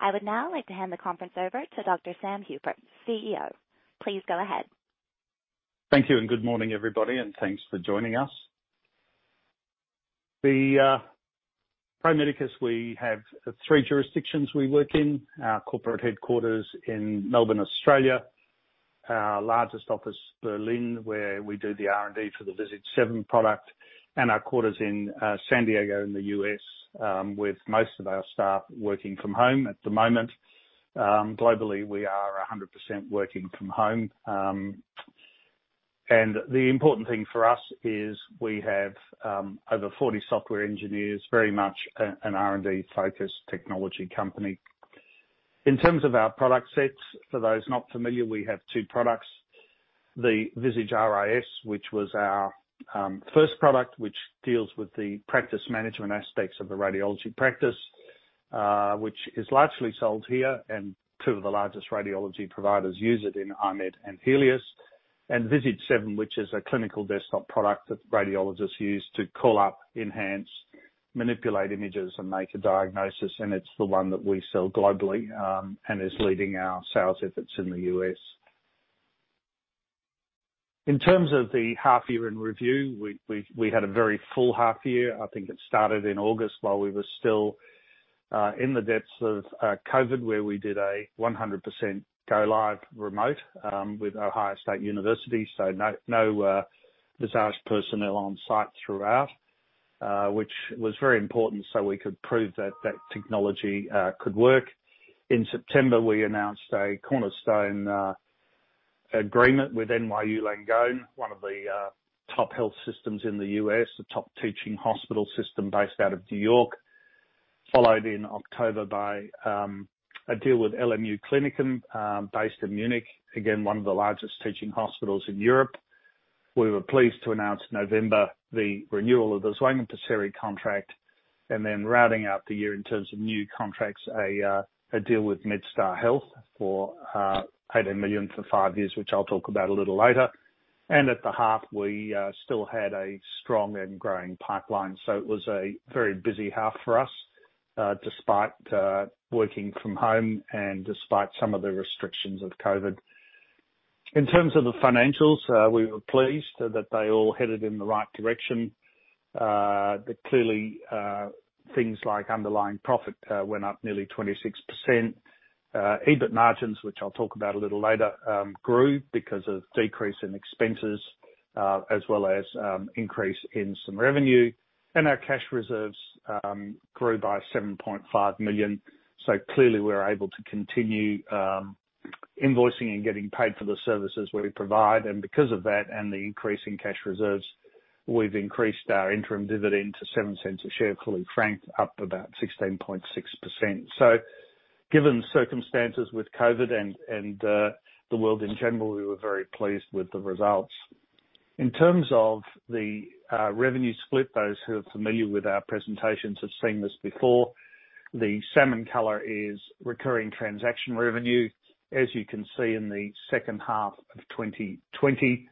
I would now like to hand the conference over to Dr. Sam Hupert, CEO. Please go ahead. Thank you, good morning, everybody, and thanks for joining us. Pro Medicus, we have three jurisdictions we work in. Our corporate headquarters in Melbourne, Australia. Our largest office, Berlin, where we do the R&D for the Visage 7 product. Our quarters in San Diego in the U.S., with most of our staff working from home at the moment. Globally, we are 100% working from home. The important thing for us is we have over 40 software engineers, very much an R&D-focused technology company. In terms of our product sets, for those not familiar, we have two products. The Visage RIS, which was our first product, which deals with the practice management aspects of the radiology practice, which is largely sold here, and two of the largest radiology providers use it in I-MED and Healius. Visage 7, which is a clinical desktop product that radiologists use to call up, enhance, manipulate images, and make a diagnosis, and it's the one that we sell globally, and is leading our sales efforts in the U.S. In terms of the half year in review, we had a very full half year. I think it started in August while we were still in the depths of COVID, where we did a 100% go live remote with Ohio State University. No Visage personnel on site throughout, which was very important so we could prove that that technology could work. In September, we announced a cornerstone agreement with NYU Langone, one of the top health systems in the U.S., a top teaching hospital system based out of New York, followed in October by a deal with LMU Klinikum, based in Munich. Again, one of the largest teaching hospitals in Europe. We were pleased to announce November, the renewal of the Zwanger-Pesiri contract. Rounding out the year in terms of new contracts, a deal with MedStar Health for 18 million for five years, which I'll talk about a little later. At the half, we still had a strong and growing pipeline. It was a very busy half for us, despite working from home and despite some of the restrictions of COVID. In terms of the financials, we were pleased that they all headed in the right direction. That clearly, things like underlying profit went up nearly 26%. EBIT margins, which I'll talk about a little later, grew because of decrease in expenses, as well as increase in some revenue. Our cash reserves grew by 7.5 million. Clearly we're able to continue invoicing and getting paid for the services we provide. Because of that and the increase in cash reserves, we've increased our interim dividend to 0.07 a share fully franked, up about 16.6%. Given circumstances with COVID and the world in general, we were very pleased with the results. In terms of the revenue split, those who are familiar with our presentations have seen this before. The salmon color is recurring transaction revenue. As you can see in the second half of 2020,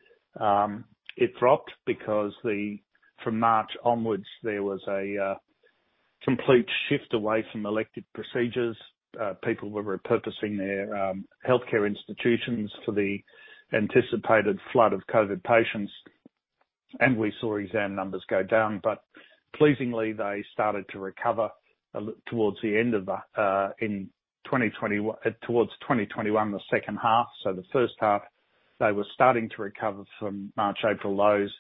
it dropped because from March onwards, there was a complete shift away from elective procedures. People were repurposing their healthcare institutions for the anticipated flood of COVID patients, and we saw exam numbers go down. Pleasingly, they started to recover towards 2021, the second half. The first half, they were starting to recover from March, April lows.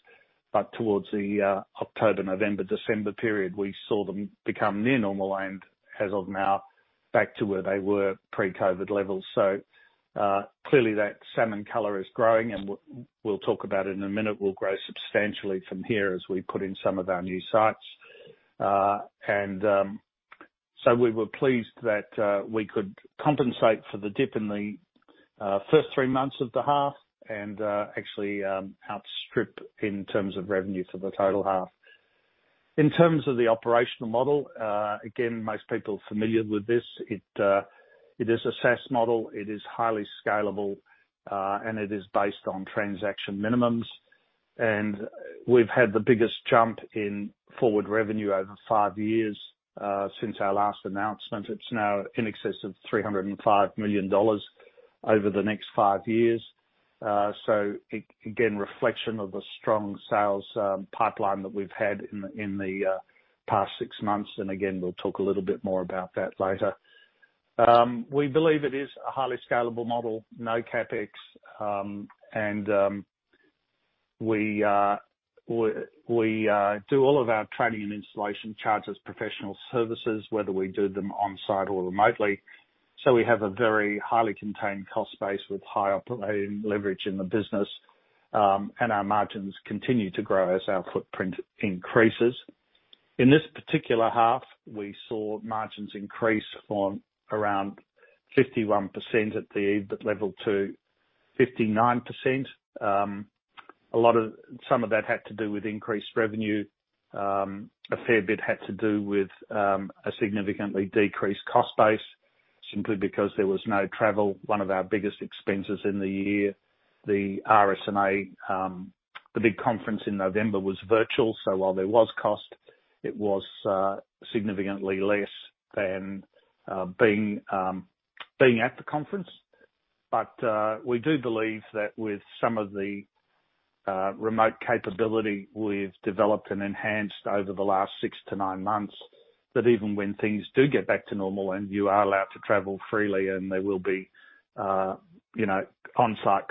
Towards the October, November, December period, we saw them become near normal and as of now, back to where they were pre-COVID levels. Clearly that salmon color is growing and we'll talk about it in a minute, will grow substantially from here as we put in some of our new sites. We were pleased that we could compensate for the dip in the first three months of the half and actually outstrip in terms of revenue for the total half. In terms of the operational model, again, most people are familiar with this. It is a SaaS model. It is highly scalable. It is based on transaction minimums. We've had the biggest jump in forward revenue over five years since our last announcement. It's now in excess of 305 million dollars over the next five years. Again, reflection of the strong sales pipeline that we've had in the past six months, and again, we'll talk a little bit more about that later. We believe it is a highly scalable model, no CapEx. We do all of our training and installation charges, professional services, whether we do them on-site or remotely. We have a very highly contained cost base with high operating leverage in the business. Our margins continue to grow as our footprint increases. In this particular half, we saw margins increase from around 51% at the EBIT level to 59%. Some of that had to do with increased revenue. A fair bit had to do with a significantly decreased cost base simply because there was no travel, one of our biggest expenses in the year. The RSNA, the big conference in November was virtual, so while there was cost, it was significantly less than being at the conference. We do believe that with some of the remote capability we've developed and enhanced over the last six to nine months, that even when things do get back to normal and you are allowed to travel freely and there will be onsite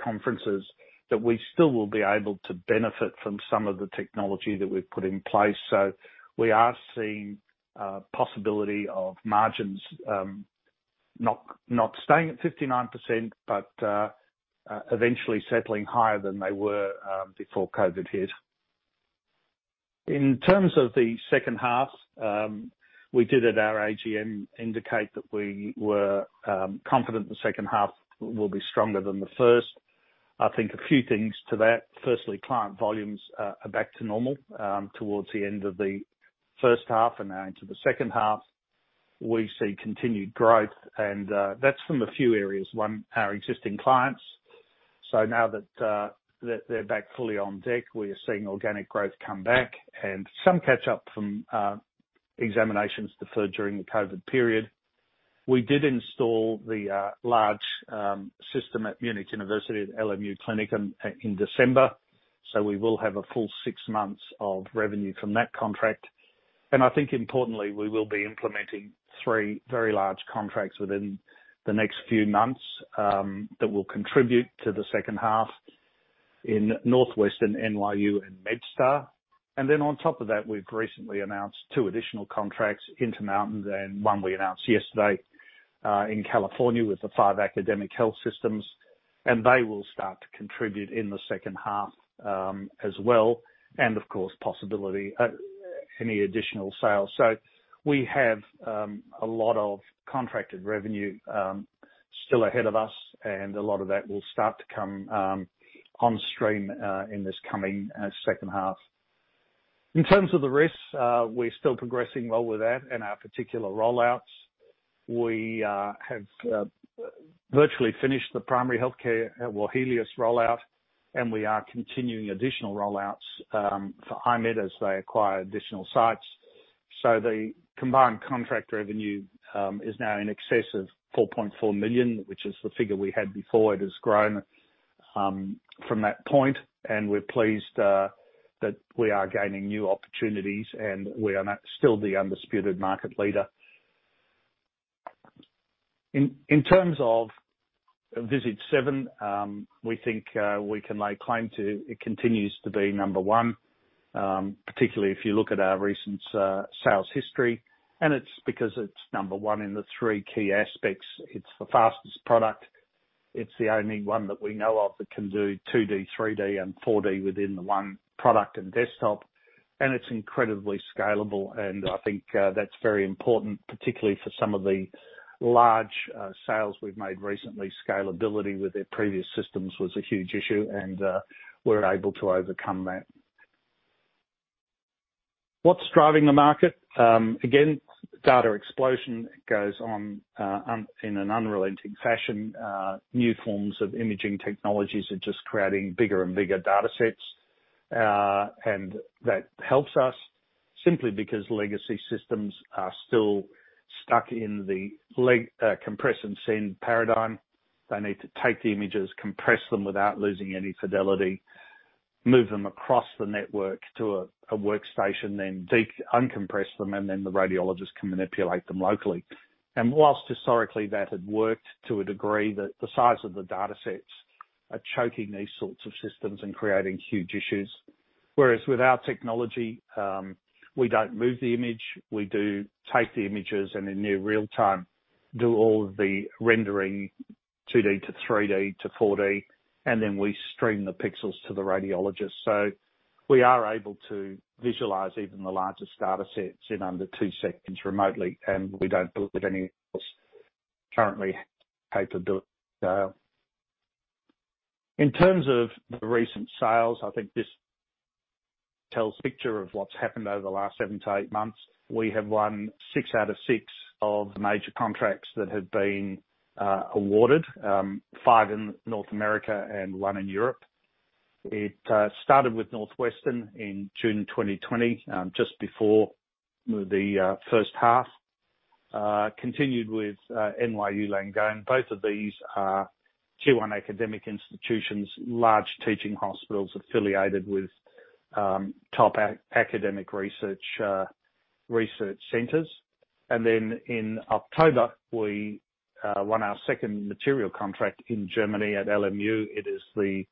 conferences, that we still will be able to benefit from some of the technology that we've put in place. We are seeing a possibility of margins not staying at 59%, but eventually settling higher than they were before COVID hit. In terms of the second half, we did at our AGM indicate that we were confident the second half will be stronger than the first. I think a few things to that. Firstly, client volumes are back to normal towards the end of the first half and now into the second half. We see continued growth and that's from a few areas. One, our existing clients. Now that they're back fully on deck, we are seeing organic growth come back and some catch up from examinations deferred during the COVID period. We did install the large system at Munich University at LMU Klinikum in December. We will have a full six months of revenue from that contract. I think importantly, we will be implementing three very large contracts within the next few months, that will contribute to the second half in Northwestern, NYU, and MedStar. Then on top of that, we've recently announced two additional contracts, Intermountain and one we announced yesterday, in California with the five academic health systems. They will start to contribute in the second half, as well and of course possibility, any additional sales. We have a lot of contracted revenue still ahead of us and a lot of that will start to come on stream in this coming second half. In terms of the risks, we're still progressing well with that and our particular rollouts. We have virtually finished the Primary Health Care at Healius rollout, and we are continuing additional rollouts for I-MED as they acquire additional sites. The combined contract revenue is now in excess of 4.4 million, which is the figure we had before. It has grown from that point and we're pleased that we are gaining new opportunities and we are now still the undisputed market leader. In terms of Visage 7, we think we can lay claim to it continues to be number one, particularly if you look at our recent sales history and it's because it's number one in the three key aspects. It's the fastest product. It's the only one that we know of that can do 2D, 3D and 4D within the one product and desktop and it's incredibly scalable and I think that's very important particularly for some of the large sales we've made recently. Scalability with their previous systems was a huge issue and we're able to overcome that. What's driving the market? Again, data explosion goes on in an unrelenting fashion. New forms of imaging technologies are just creating bigger and bigger data sets. That helps us simply because legacy systems are still stuck in the compress and send paradigm. They need to take the images, compress them without losing any fidelity, move them across the network to a workstation, then uncompress them, and then the radiologist can manipulate them locally. Whilst historically that had worked to a degree, the size of the data sets are choking these sorts of systems and creating huge issues. Whereas with our technology, we don't move the image. We do take the images and in near real-time do all of the rendering 2D to 3D to 4D and then we stream the pixels to the radiologist. We are able to visualize even the largest data sets in under two seconds remotely and we don't believe anyone else currently. In terms of the recent sales, I think this tells a picture of what's happened over the last seven to eight months. We have won six out of six of the major contracts that have been awarded, five in North America and one in Europe. It started with Northwestern Medicine in June 2020, just before the first half. Continued with NYU Langone Health. Both of these are Tier 1 academic institutions, large teaching hospitals affiliated with top academic research centers. In October, we won our second material contract in Germany at LMU. It is the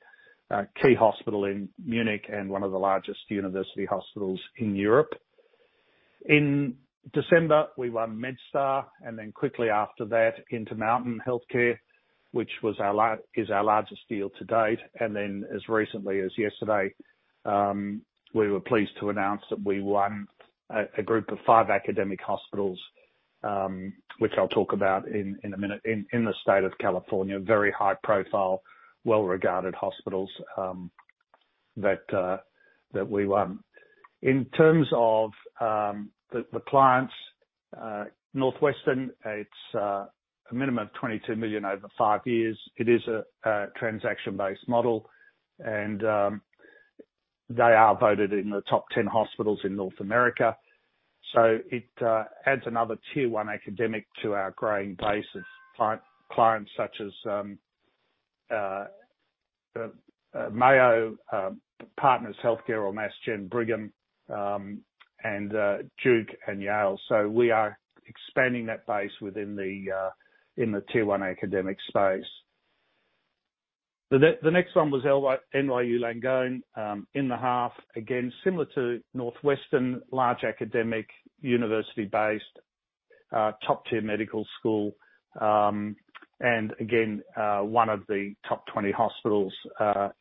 key hospital in Munich and one of the largest university hospitals in Europe. In December, we won MedStar Health and then quickly after that Intermountain Health, which is our largest deal to date. As recently as yesterday, we were pleased to announce that we won a group of five academic hospitals, which I'll talk about in a minute, in the state of California. Very high profile, well-regarded hospitals that we won. In terms of the clients, Northwestern, it's a minimum of 22 million over five years. It is a transaction-based model. They are voted in the top 10 hospitals in North America. It adds another Tier 1 academic to our growing base of clients, such as Mayo Partners Healthcare or Mass General Brigham, and Duke and Yale. We are expanding that base within the Tier 1 academic space. The next one was NYU Langone in the half, again, similar to Northwestern, large academic university-based, top-tier medical school. Again, one of the top 20 hospitals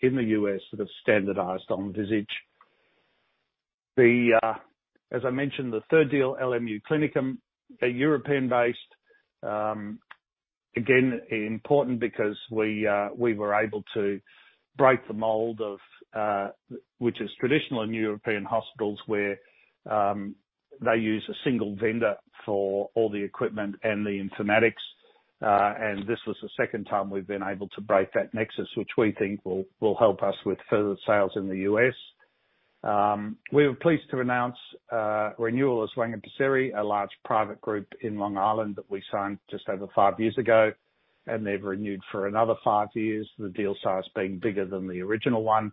in the U.S. that have standardized on Visage. As I mentioned, the third deal, LMU Klinikum, a European-based. Important because we were able to break the mold of, which is traditional in European hospitals, where they use a single vendor for all the equipment and the informatics. This was the second time we've been able to break that nexus, which we think will help us with further sales in the U.S. We were pleased to announce a renewal of Zwanger-Pesiri, a large private group in Long Island that we signed just over five years ago, and they've renewed for another five years, the deal size being bigger than the original one.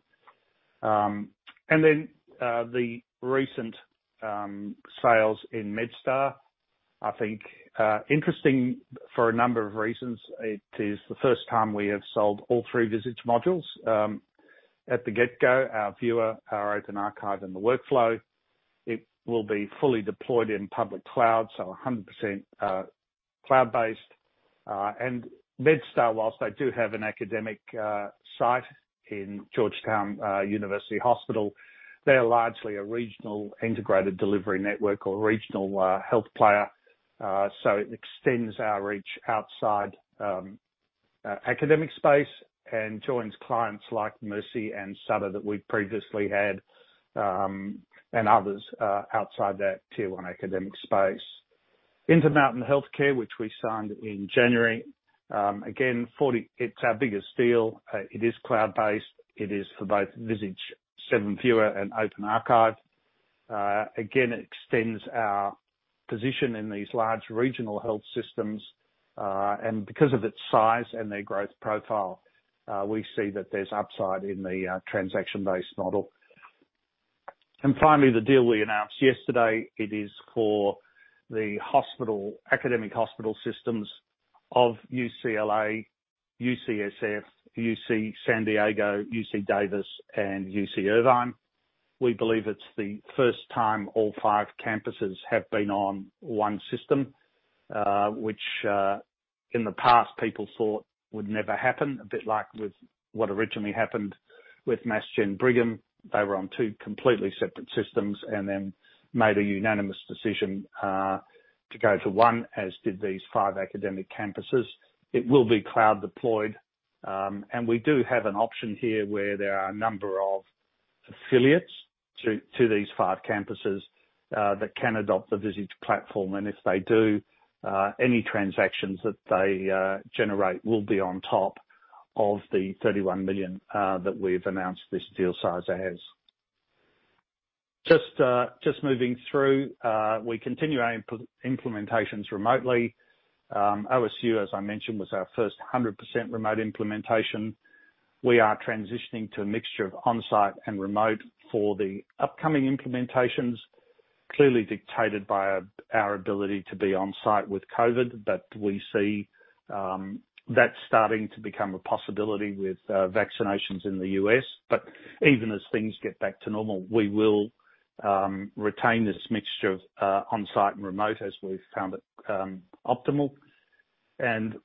The recent sales in MedStar, I think, interesting for a number of reasons. It is the first time we have sold all three Visage modules. At the get go, our Viewer, our Open Archive, and the Workflow. It will be fully deployed in public cloud, 100% cloud-based. MedStar, whilst they do have an academic site in MedStar Georgetown University Hospital, they are largely a regional integrated delivery network or regional health player. It extends our reach outside academic space and joins clients like Mercy and Sutter that we previously had, and others outside that Tier 1 academic space. Intermountain Health, which we signed in January. Again, it's our biggest deal. It is cloud-based. It is for both Visage 7 Viewer and Visage 7 Open Archive. Again, it extends our position in these large regional health systems. Because of its size and their growth profile, we see that there's upside in the transaction-based model. Finally, the deal we announced yesterday, it is for the academic hospital systems of UCLA, UCSF, UC San Diego, UC Davis, and UCI Health. We believe it's the first time all five campuses have been on one system, which in the past people thought would never happen, a bit like with what originally happened with Mass General Brigham. They were on two completely separate systems and then made a unanimous decision to go to one, as did these five academic campuses. It will be cloud-deployed. We do have an option here where there are a number of affiliates to these five campuses that can adopt the Visage platform. If they do, any transactions that they generate will be on top of the 31 million that we've announced this deal size as. Just moving through, we continue our implementations remotely. OSU, as I mentioned, was our first 100% remote implementation. We are transitioning to a mixture of on-site and remote for the upcoming implementations, clearly dictated by our ability to be on-site with COVID. We see that starting to become a possibility with vaccinations in the U.S. Even as things get back to normal, we will retain this mixture of on-site and remote as we've found it optimal.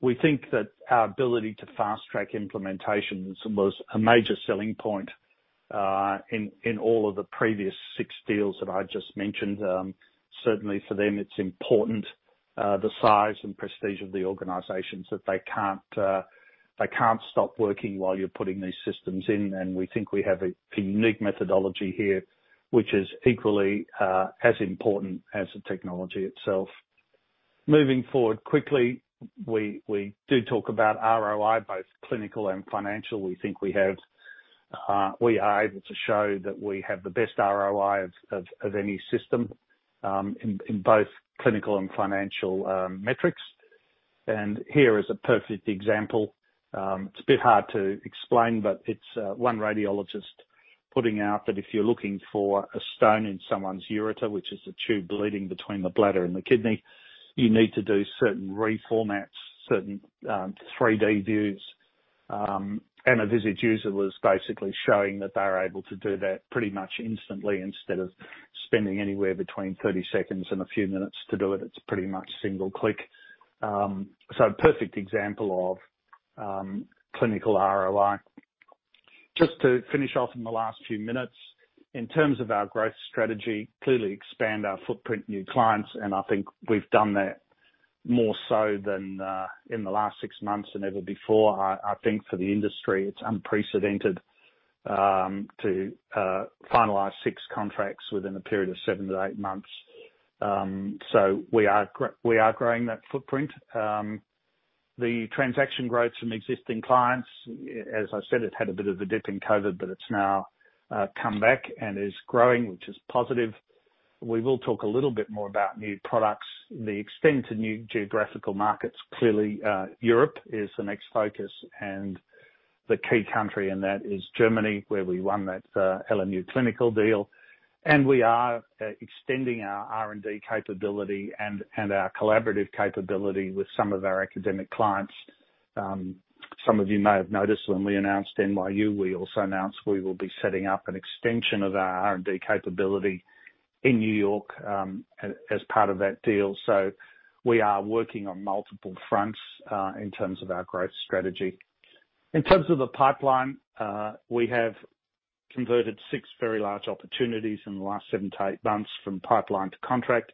We think that our ability to fast-track implementations was a major selling point, in all of the previous six deals that I just mentioned. Certainly for them, it's important, the size and prestige of the organizations, that they can't stop working while you're putting these systems in. We think we have a unique methodology here, which is equally as important as the technology itself. Moving forward quickly, we do talk about ROI, both clinical and financial. We think we are able to show that we have the best ROI of any system, in both clinical and financial metrics. Here is a perfect example. It's a bit hard to explain, but it's one radiologist putting out that if you're looking for a stone in someone's ureter, which is a tube leading between the bladder and the kidney, you need to do certain reformats, certain 3D views. A Visage user was basically showing that they're able to do that pretty much instantly instead of spending anywhere between 30 seconds and a few minutes to do it. It's pretty much single click. A perfect example of clinical ROI. Just to finish off in the last few minutes, in terms of our growth strategy, clearly expand our footprint in new clients. I think we've done that more so than in the last six months than ever before. I think for the industry, it's unprecedented to finalize six contracts within a period of seven to eight months. We are growing that footprint. The transaction growth from existing clients, as I said, it had a bit of a dip in COVID, but it's now come back and is growing, which is positive. We will talk a little bit more about new products. The extent of new geographical markets, clearly, Europe is the next focus, and the key country in that is Germany, where we won that LMU Klinikum deal. We are extending our R&D capability and our collaborative capability with some of our academic clients. Some of you may have noticed when we announced NYU, we also announced we will be setting up an extension of our R&D capability in New York as part of that deal. We are working on multiple fronts in terms of our growth strategy. In terms of the pipeline, we have converted six very large opportunities in the last seven to eight months from pipeline to contract.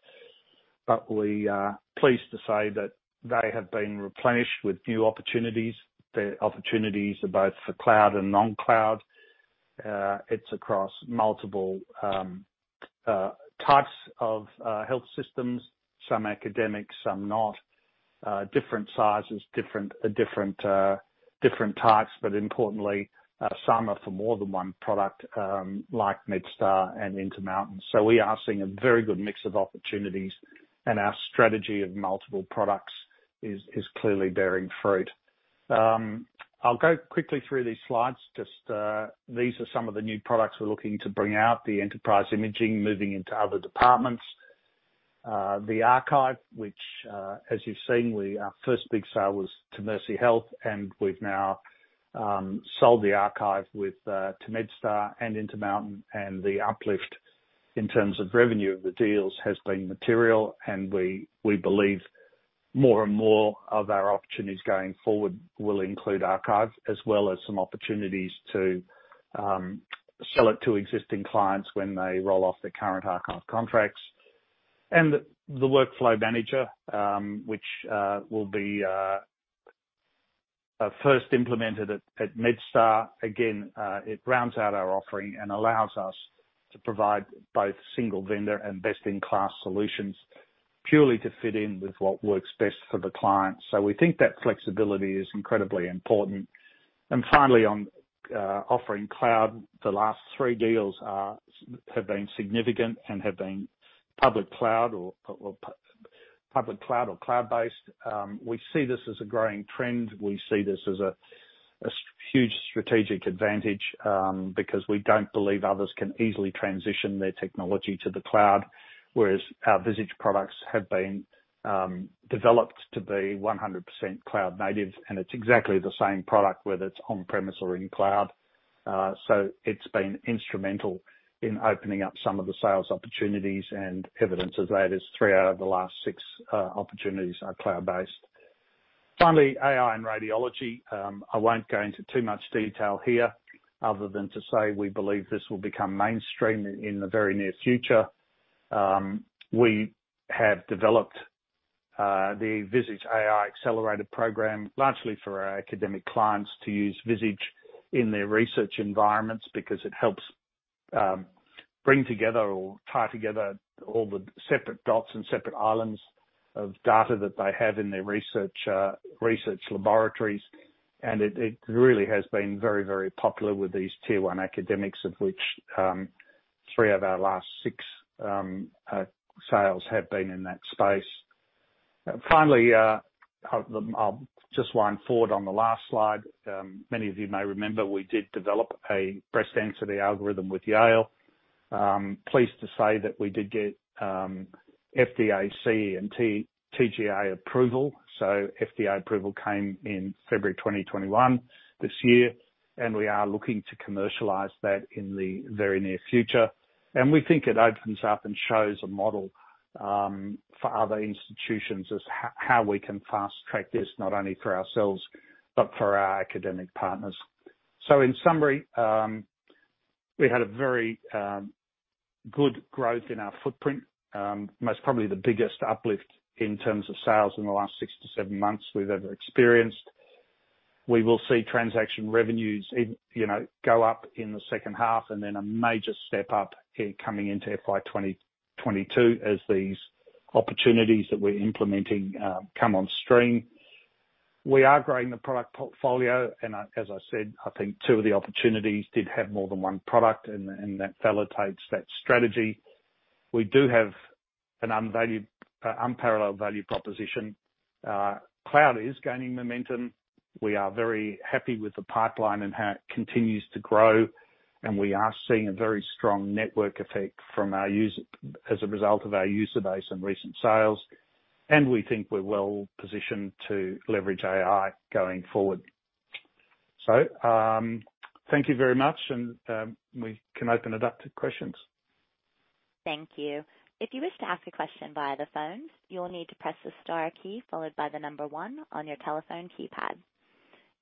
We are pleased to say that they have been replenished with new opportunities. The opportunities are both for cloud and non-cloud. It's across multiple types of health systems, some academic, some not, different sizes, different types, but importantly, some are for more than one product, like MedStar and Intermountain. We are seeing a very good mix of opportunities, and our strategy of multiple products is clearly bearing fruit. I'll go quickly through these slides. Just these are some of the new products we're looking to bring out. The enterprise imaging, moving into other departments. The archive, which, as you've seen, our first big sale was to Mercy Health, and we've now sold the archive to MedStar and Intermountain, and the uplift in terms of revenue of the deals has been material, and we believe more and more of our opportunities going forward will include archives, as well as some opportunities to sell it to existing clients when they roll off their current archive contracts. The workflow manager, which will be first implemented at MedStar. Again, it rounds out our offering and allows us to provide both single vendor and best-in-class solutions purely to fit in with what works best for the client. So we think that flexibility is incredibly important. Finally, on offering cloud, the last three deals have been significant and have been public cloud or cloud-based. We see this as a growing trend. We see this as a huge strategic advantage because we don't believe others can easily transition their technology to the cloud, whereas our Visage products have been developed to be 100% cloud native, and it's exactly the same product, whether it's on-premise or in cloud. It's been instrumental in opening up some of the sales opportunities, and evidence of that is three out of the last six opportunities are cloud-based. Finally, AI and radiology. I won't go into too much detail here other than to say we believe this will become mainstream in the very near future. We have developed the Visage AI Accelerator program largely for our academic clients to use Visage in their research environments because it helps bring together or tie together all the separate dots and separate islands of data that they have in their research laboratories. It really has been very popular with these Tier 1 academics, of which three of our last six sales have been in that space. I'll just wind forward on the last slide. Many of you may remember we did develop a breast density algorithm with Yale. Pleased to say that we did get FDA, CE, and TGA approval. FDA approval came in February 2021, this year, and we are looking to commercialize that in the very near future. We think it opens up and shows a model for other institutions as how we can fast-track this, not only for ourselves, but for our academic partners. In summary, we had a very good growth in our footprint. Most probably the biggest uplift in terms of sales in the last six to seven months we've ever experienced. We will see transaction revenues go up in the second half, and then a major step-up coming into FY 2022 as these opportunities that we're implementing come on stream. We are growing the product portfolio. As I said, I think two of the opportunities did have more than one product, and that validates that strategy. We do have an unparalleled value proposition. Cloud is gaining momentum. We are very happy with the pipeline and how it continues to grow, and we are seeing a very strong network effect as a result of our user base and recent sales. We think we're well positioned to leverage AI going forward. Thank you very much, and we can open it up to questions. Thank you. If you wish to ask a question via the phone, you will need to press the star key followed by the number one on your telephone keypad.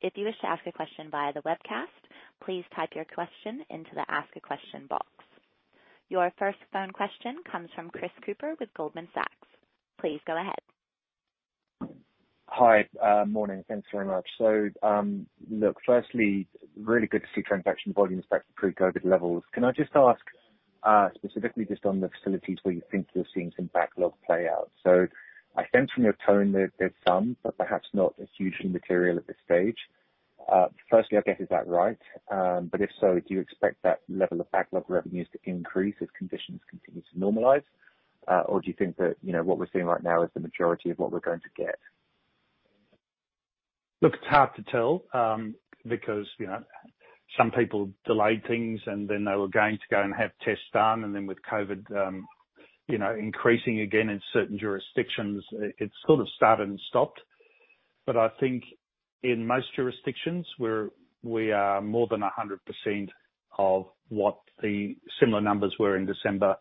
If you wish to ask a question via the webcast, please type your question into the ask a question box. Your first phone question comes from Chris Cooper with Goldman Sachs. Please go ahead. Hi. Morning. Thanks very much. Look, firstly, really good to see transaction volumes back to pre-COVID levels. Can I just ask, specifically just on the facilities where you think you're seeing some backlog play out. I sense from your tone that there's some, but perhaps not hugely material at this stage. Firstly, I guess, is that right? If so, do you expect that level of backlog revenues to increase as conditions continue to normalize? Do you think that, what we're seeing right now is the majority of what we're going to get? Look, it's hard to tell, because some people delayed things and then they were going to go and have tests done, and then with COVID increasing again in certain jurisdictions, it sort of started and stopped. I think in most jurisdictions, we are more than 100% of what the similar numbers were in December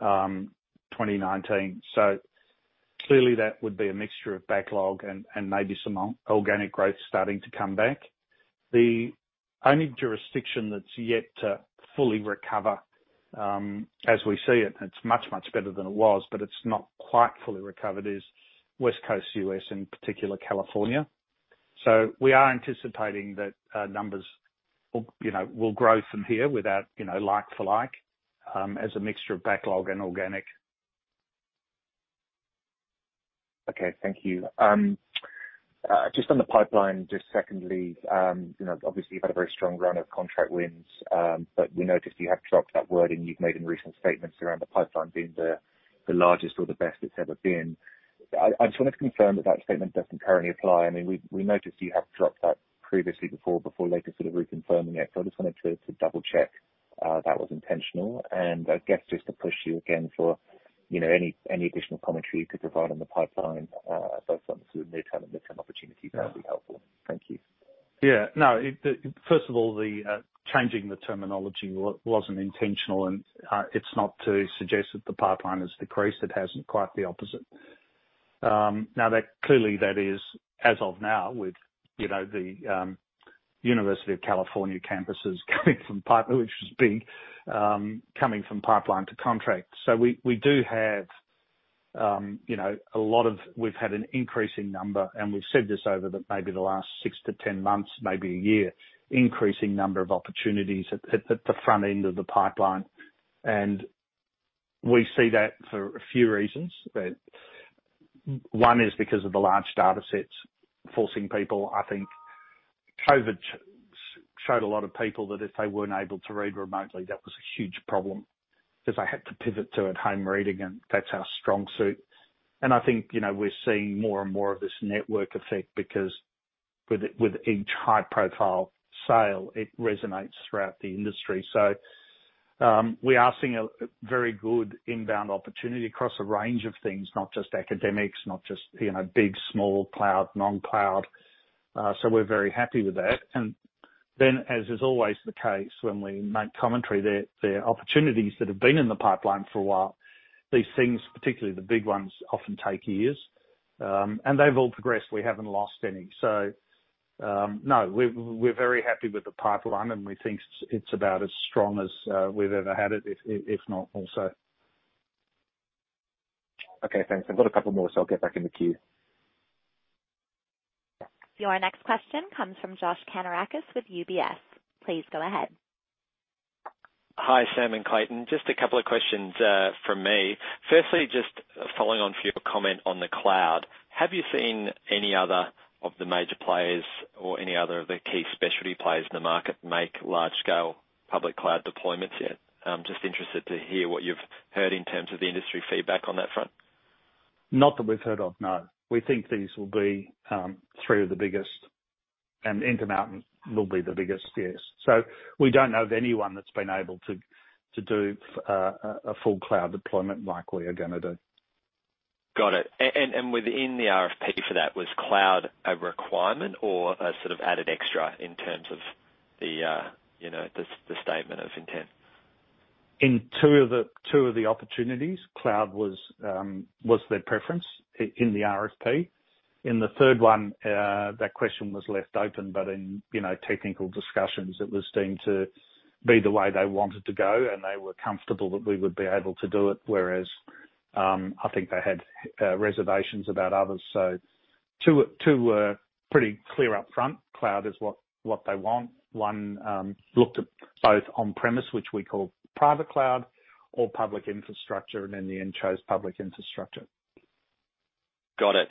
2019. Clearly that would be a mixture of backlog and maybe some organic growth starting to come back. The only jurisdiction that's yet to fully recover, as we see it's much, much better than it was, but it's not quite fully recovered, is West Coast U.S., in particular, California. We are anticipating that numbers will grow from here without like for like, as a mixture of backlog and organic. Okay. Thank you. Just on the pipeline, just secondly, obviously you've had a very strong run of contract wins, we noticed you have dropped that word and you've made some recent statements around the pipeline being the largest or the best it's ever been. I just wanted to confirm that statement doesn't currently apply. I mean, we noticed you have dropped that previously before later sort of reconfirming it. I just wanted to double-check that was intentional. I guess just to push you again for any additional commentary you could provide on the pipeline, both from a near-term and midterm opportunity that would be helpful. Thank you. Yeah. No. First of all, changing the terminology wasn't intentional and it's not to suggest that the pipeline has decreased. It hasn't. Quite the opposite. Now, clearly that is, as of now, with the University of California campuses coming from pipeline, which is big, coming from pipeline to contract. We've had an increasing number, and we've said this over maybe the last 6-10 months, maybe a year, increasing number of opportunities at the front end of the pipeline. We see that for a few reasons. One is because of the large datasets forcing people. I think COVID showed a lot of people that if they weren't able to read remotely, that was a huge problem because they had to pivot to at-home reading, and that's our strong suit. I think, we're seeing more and more of this network effect because with each high-profile sale, it resonates throughout the industry. We are seeing a very good inbound opportunity across a range of things. Not just academics, not just big, small cloud, non-cloud. We're very happy with that. Then, as is always the case, when we make commentary, there are opportunities that have been in the pipeline for a while. These things, particularly the big ones, often take years. They've all progressed. We haven't lost any. No, we're very happy with the pipeline, and we think it's about as strong as we've ever had it, if not more so. Okay, thanks. I've got a couple more, so I'll get back in the queue. Your next question comes from Josh Kannourakis with UBS. Please go ahead. Hi, Sam and Clayton. Just a couple of questions from me. Firstly, just following on from your comment on the cloud. Have you seen any other of the major players or any other of the key specialty players in the market make large-scale public cloud deployments yet? I'm just interested to hear what you've heard in terms of the industry feedback on that front. Not that we've heard of, no. We think these will be three of the biggest, and Intermountain will be the biggest, yes. We don't know of anyone that's been able to do a full cloud deployment like we are going to do. Got it. Within the RFP for that, was cloud a requirement or a sort of added extra in terms of the statement of intent? In two of the opportunities, cloud was their preference in the RFP. In the third one, that question was left open. In technical discussions, it was deemed to be the way they wanted to go, and they were comfortable that we would be able to do it, whereas, I think they had reservations about others. Two were pretty clear upfront. Cloud is what they want. One looked at both on-premise, which we call private cloud or public infrastructure, and in the end, chose public infrastructure. Got it.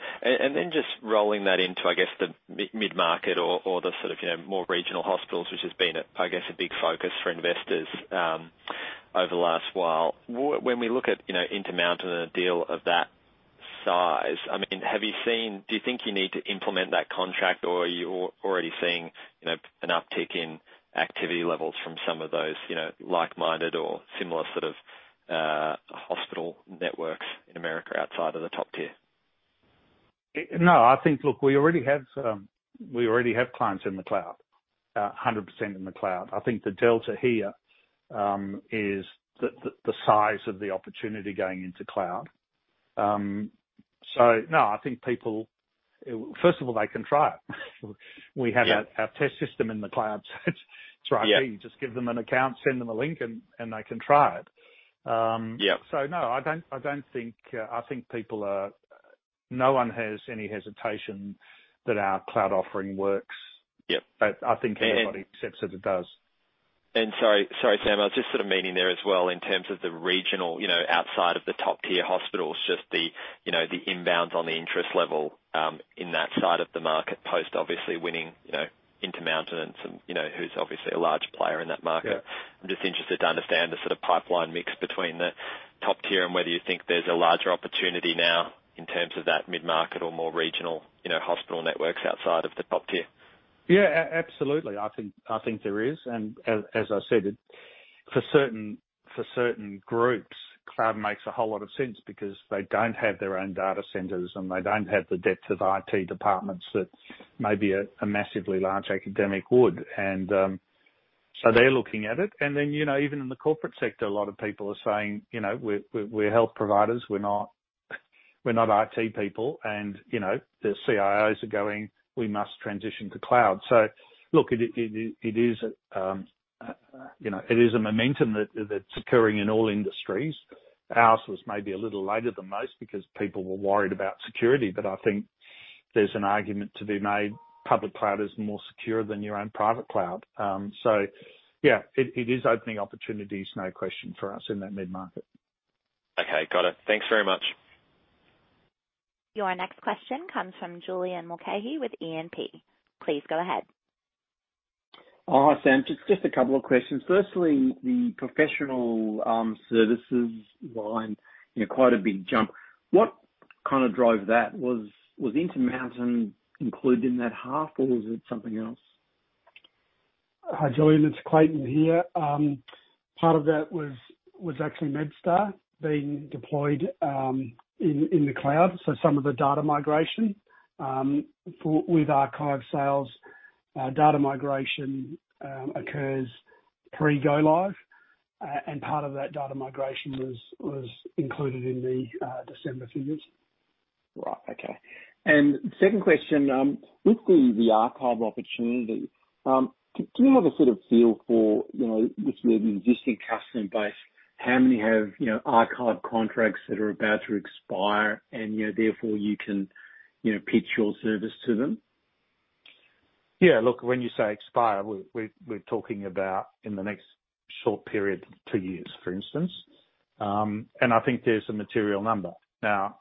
Just rolling that into, I guess, the mid-market or the sort of more regional hospitals, which has been, I guess, a big focus for investors over the last while. When we look at Intermountain and a deal of that size, do you think you need to implement that contract, or are you already seeing an uptick in activity levels from some of those like-minded or similar sort of hospital networks in America outside of the top tier? No. I think, look, we already have clients in the cloud, 100% in the cloud. I think the delta here is the size of the opportunity going into cloud. No, I think people, first of all, they can try it. Yeah Our test system in the cloud. It's right here. Yeah. You just give them an account, send them a link, and they can try it. Yep. No, I think No one has any hesitation that our cloud offering works. Yep. I think everybody accepts that it does. Sorry, Sam, I was just sort of meaning there as well in terms of the regional, outside of the top-tier hospitals, just the inbounds on the interest level, in that side of the market post, obviously winning Intermountain and some, who's obviously a large player in that market. Yeah. I'm just interested to understand the sort of pipeline mix between the top tier and whether you think there's a larger opportunity now in terms of that mid-market or more regional hospital networks outside of the top tier. Yeah. Absolutely. I think there is, and as I said, for certain groups, cloud makes a whole lot of sense because they don't have their own data centers, and they don't have the depth of IT departments that maybe a massively large academic would. They're looking at it. Even in the corporate sector, a lot of people are saying, "We're health providers. We're not IT people." The CIOs are going, "We must transition to cloud." Look, it is a momentum that's occurring in all industries. Ours was maybe a little later than most because people were worried about security. I think there's an argument to be made. Public cloud is more secure than your own private cloud. Yeah, it is opening opportunities, no question, for us in that mid-market. Okay. Got it. Thanks very much. Your next question comes from Julian Mulcahy with E&P. Please go ahead. Oh, hi, Sam. Just a couple of questions. Firstly, the professional services line, quite a big jump. What kind of drove that? Was Intermountain included in that half or was it something else? Hi, Julian, it's Clayton here. Part of that was actually MedStar being deployed in the cloud, so some of the data migration. With archive sales, data migration occurs pre-go live. Part of that data migration was included in the December figures. Right. Okay. Second question, with the archive opportunity, do you have a sort of feel for, with your existing customer base, how many have archive contracts that are about to expire and therefore you can pitch your service to them? Yeah, look, when you say expire, we're talking about in the next short period, two years, for instance. I think there's a material number. Now,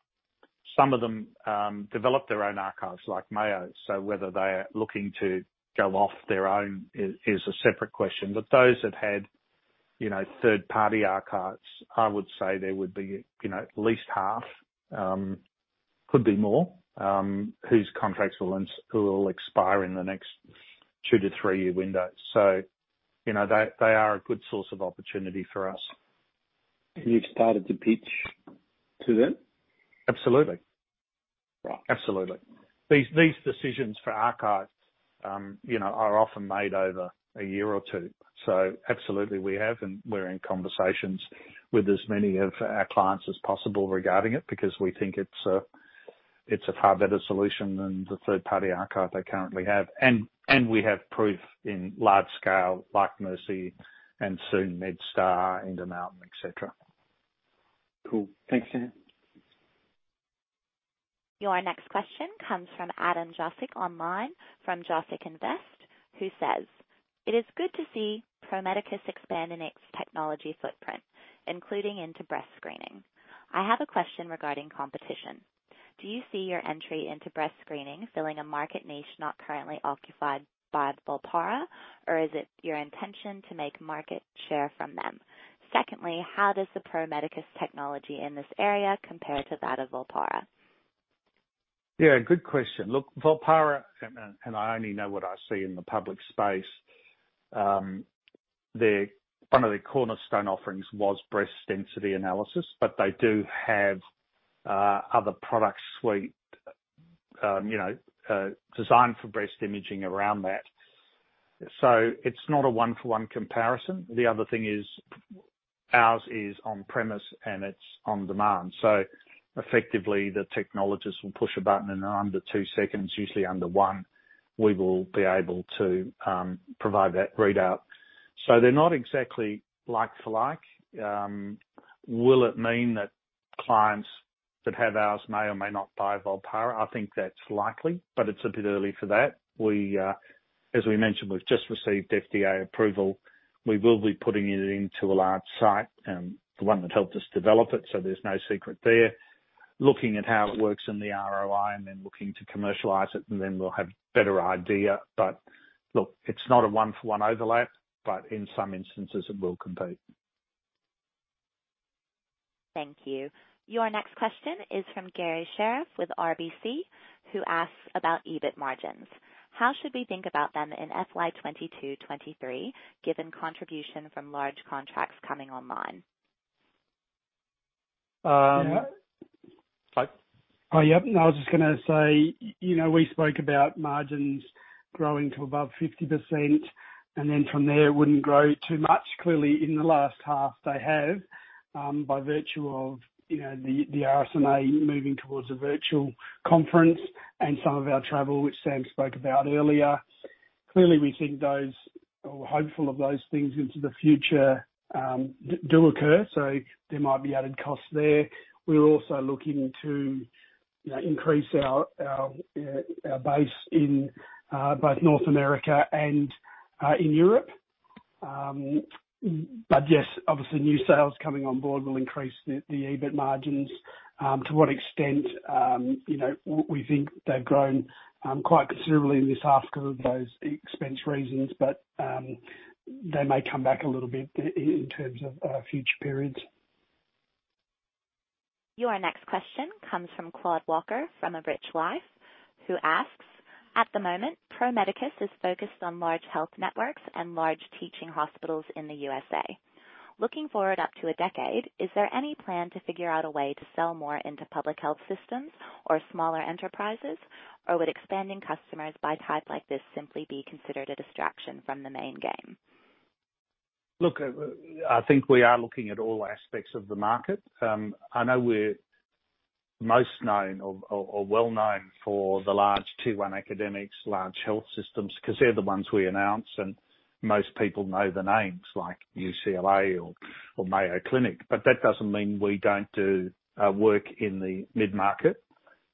some of them develop their own archives like Mayo, so whether they're looking to go off their own is a separate question. Those that had third-party archives, I would say there would be at least half, could be more, whose contracts will expire in the next two to three-year window. They are a good source of opportunity for us. You've started to pitch to them? Absolutely. Right. Absolutely. These decisions for archives are often made over a year or two. Absolutely, we have, and we're in conversations with as many of our clients as possible regarding it because we think it's a far better solution than the third-party archive they currently have. We have proof in large scale like Mercy and soon MedStar, Intermountain, et cetera. Cool. Thanks, Sam. Your next question comes from Adam Jasiak online, from Jasiak Invest, who says, "It is good to see Pro Medicus expanding its technology footprint, including into breast screening. I have a question regarding competition. Do you see your entry into breast screening filling a market niche not currently occupied by Volpara? Or is it your intention to make market share from them? Secondly, how does the Pro Medicus technology in this area compare to that of Volpara?" Good question. Volpara, and I only know what I see in the public space. One of their cornerstone offerings was breast density analysis, but they do have other product suite designed for breast imaging around that. It's not a one-for-one comparison. The other thing is, ours is on-premise, and it's on-demand. Effectively, the technologist will push a button, and in under two seconds, usually under one, we will be able to provide that readout. They're not exactly like for like. Will it mean that clients that have ours may or may not buy Volpara? I think that's likely, but it's a bit early for that. As we mentioned, we've just received FDA approval. We will be putting it into a large site, the one that helped us develop it, so there's no secret there. Looking at how it works in the ROI and then looking to commercialize it, and then we'll have a better idea. Look, it's not a one-for-one overlap, but in some instances it will compete. Thank you. Your next question is from Garry Sherriff with RBC who asks about EBIT margins. "How should we think about them in FY 2022, FY 2023 given contribution from large contracts coming online?" Um- Sam? Sorry? Yeah. I was just going to say, we spoke about margins growing to above 50%. From there it wouldn't grow too much. Clearly in the last half, they have, by virtue of the RSNA moving towards a virtual conference and some of our travel, which Sam spoke about earlier. Clearly, we think those or hopeful of those things into the future do occur. There might be added costs there. We're also looking to increase our base in both North America and in Europe. Yes, obviously, new sales coming on board will increase the EBIT margins. To what extent? We think they've grown quite considerably in this half because of those expense reasons. They may come back a little bit in terms of future periods. Your next question comes from Claude Walker, from A Rich Life, who asks, "At the moment, Pro Medicus is focused on large health networks and large teaching hospitals in the U.S.A. Looking forward up to a decade, is there any plan to figure out a way to sell more into public health systems or smaller enterprises? Would expanding customers by type like this simply be considered a distraction from the main game?" Look, I think we are looking at all aspects of the market. I know we're most known or well-known for the large Tier 1 academics, large health systems, because they're the ones we announce, and most people know the names like UCLA or Mayo Clinic. That doesn't mean we don't do work in the mid-market.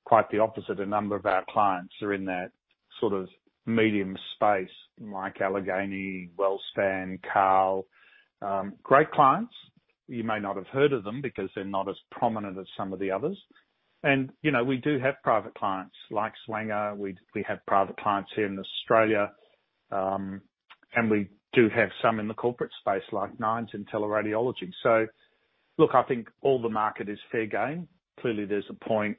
Quite the opposite. A number of our clients are in that sort of medium space, like Allegheny, WellSpan, Carle. Great clients. You may not have heard of them because they're not as prominent as some of the others. We do have private clients like Zwanger-Pesiri. We have private clients here in Australia. We do have some in the corporate space like Nines in teleradiology. Look, I think all the market is fair game. Clearly, there's a point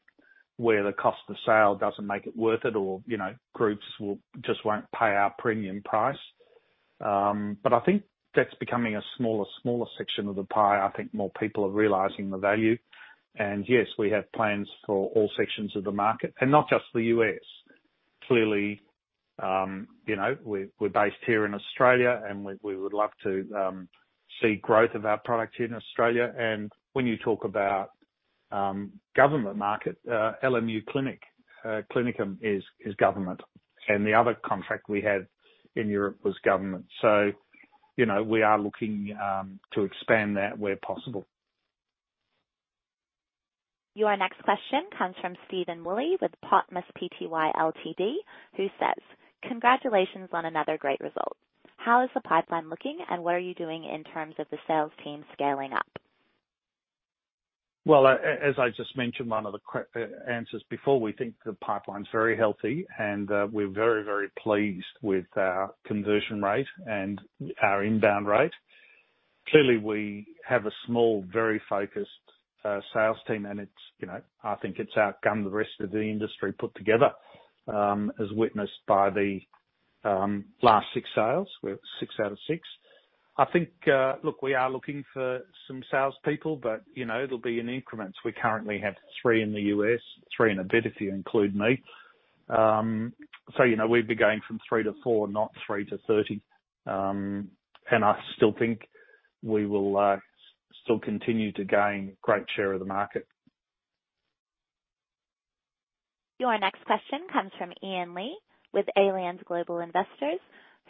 where the cost of sale doesn't make it worth it or groups just won't pay our premium price. I think that's becoming a smaller section of the pie. I think more people are realizing the value. Yes, we have plans for all sections of the market and not just the U.S. Clearly, we're based here in Australia and we would love to see growth of our product here in Australia. When you talk about government market, LMU Klinikum is government. The other contract we had in Europe was government. We are looking to expand that where possible. Your next question comes from Steven Woolley with Potmus Pty Ltd, who says, "Congratulations on another great result. How is the pipeline looking and what are you doing in terms of the sales team scaling up?" Well, as I just mentioned one of the answers before, we think the pipeline's very healthy and we're very pleased with our conversion rate and our inbound rate. Clearly, we have a small, very focused sales team, and I think it's outgunned the rest of the industry put together, as witnessed by the last six sales. We're six out of six. I think, look, we are looking for some salespeople, but it'll be in increments. We currently have three in the U.S., three and a bit if you include me. We'd be going from three to four, not 3-30. I still think we will still continue to gain great share of the market. Your next question comes from Ian Lee with Allianz Global Investors,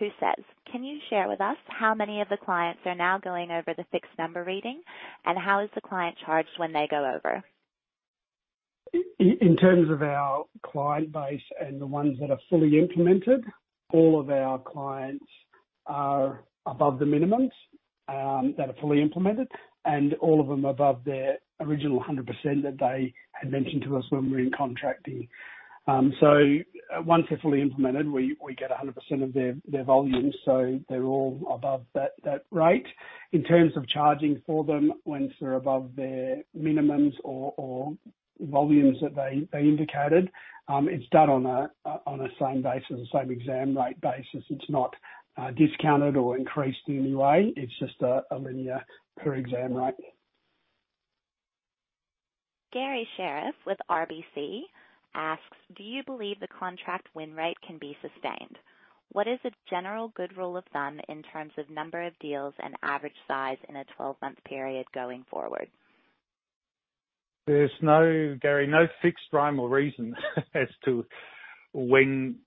who says, "Can you share with us how many of the clients are now going over the fixed number reading? How is the client charged when they go over?" In terms of our client base and the ones that are fully implemented, all of our clients are above the minimums, that are fully implemented, and all of them above their original 100% that they had mentioned to us when we're in contracting. Once they're fully implemented, we get 100% of their volumes. They're all above that rate. In terms of charging for them once they're above their minimums or volumes that they indicated, it's done on the same basis, same exam rate basis. It's not discounted or increased in any way. It's just a linear per exam rate. Garry Sherriff with RBC asks, "Do you believe the contract win rate can be sustained? What is a general good rule of thumb in terms of number of deals and average size in a 12-month period going forward?" There's no, Garry, fixed rhyme or reason as to when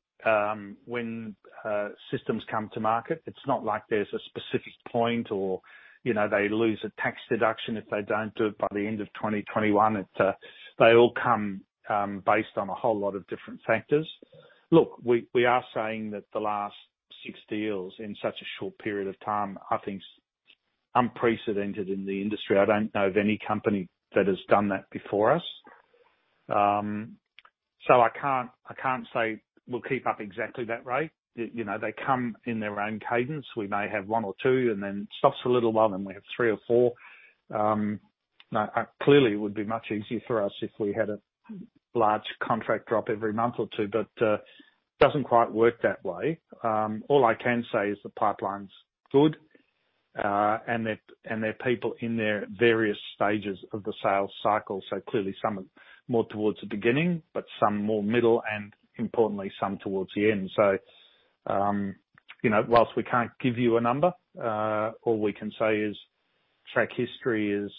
systems come to market. It's not like there's a specific point or they lose a tax deduction if they don't do it by the end of 2021. They all come based on a whole lot of different factors. Look, we are saying that the last six deals in such a short period of time, I think, is unprecedented in the industry. I don't know of any company that has done that before us. I can't say we'll keep up exactly that rate. They come in their own cadence. We may have one or two and then stops for a little while, and we have three or four. Clearly, it would be much easier for us if we had a large contract drop every month or two, but it doesn't quite work that way. All I can say is the pipeline's good. There are people in there at various stages of the sales cycle. Clearly some are more towards the beginning, but some more middle and importantly, some towards the end. Whilst we can't give you a number, all we can say is track history is,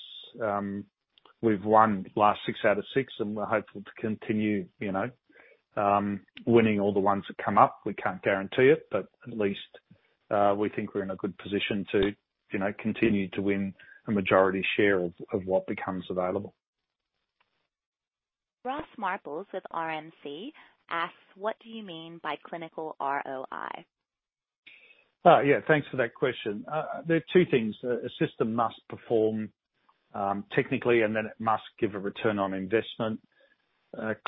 we've won the last six out of six and we're hopeful to continue winning all the ones that come up. We can't guarantee it, but at least we think we're in a good position to continue to win a majority share of what becomes available. Ross Marples with RMC asks, "What do you mean by clinical ROI?" Oh, yeah. Thanks for that question. There are two things. A system must perform, technically, and then it must give a return on investment.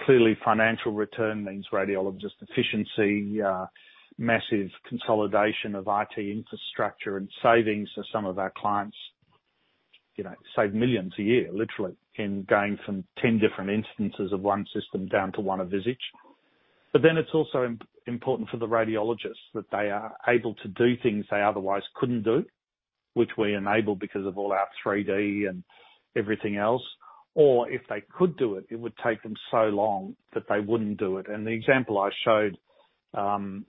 Clearly, financial return means radiologist efficiency, massive consolidation of IT infrastructure and savings for some of our clients, save millions a year, literally, in going from 10 different instances of one system down to one of Visage. Then it's also important for the radiologists that they are able to do things they otherwise couldn't do, which we enable because of all our 3D and everything else. If they could do it would take them so long that they wouldn't do it. The example I showed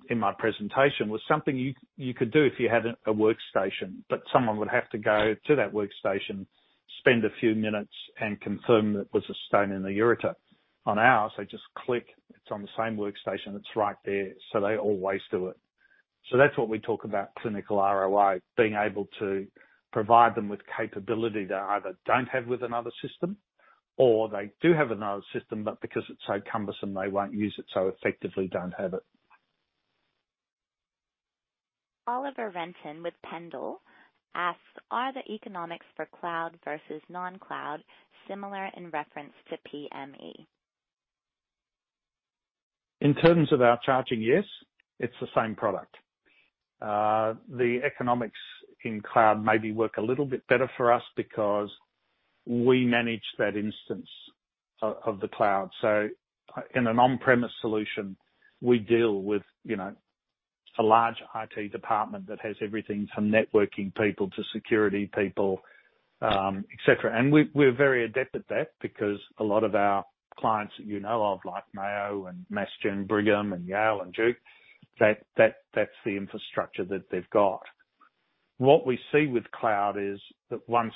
in my presentation was something you could do if you had a workstation, but someone would have to go to that workstation, spend a few minutes, and confirm that it was a stone in the ureter. On ours, they just click. It's on the same workstation, it's right there, so they always do it. That's what we talk about clinical ROI, being able to provide them with capability they either don't have with another system, or they do have another system, but because it's so cumbersome, they won't use it, so effectively don't have it. Oliver Renton with Pendal asks, "Are the economics for cloud versus non-cloud similar in reference to PME?" In terms of our charging, yes, it's the same product. The economics in cloud maybe work a little bit better for us because we manage that instance of the cloud. In an on-premise solution, we deal with a large IT department that has everything from networking people to security people, et cetera. We're very adept at that because a lot of our clients that you know of, like Mayo and Mass General Brigham, and Yale and Duke, that's the infrastructure that they've got. What we see with cloud is that once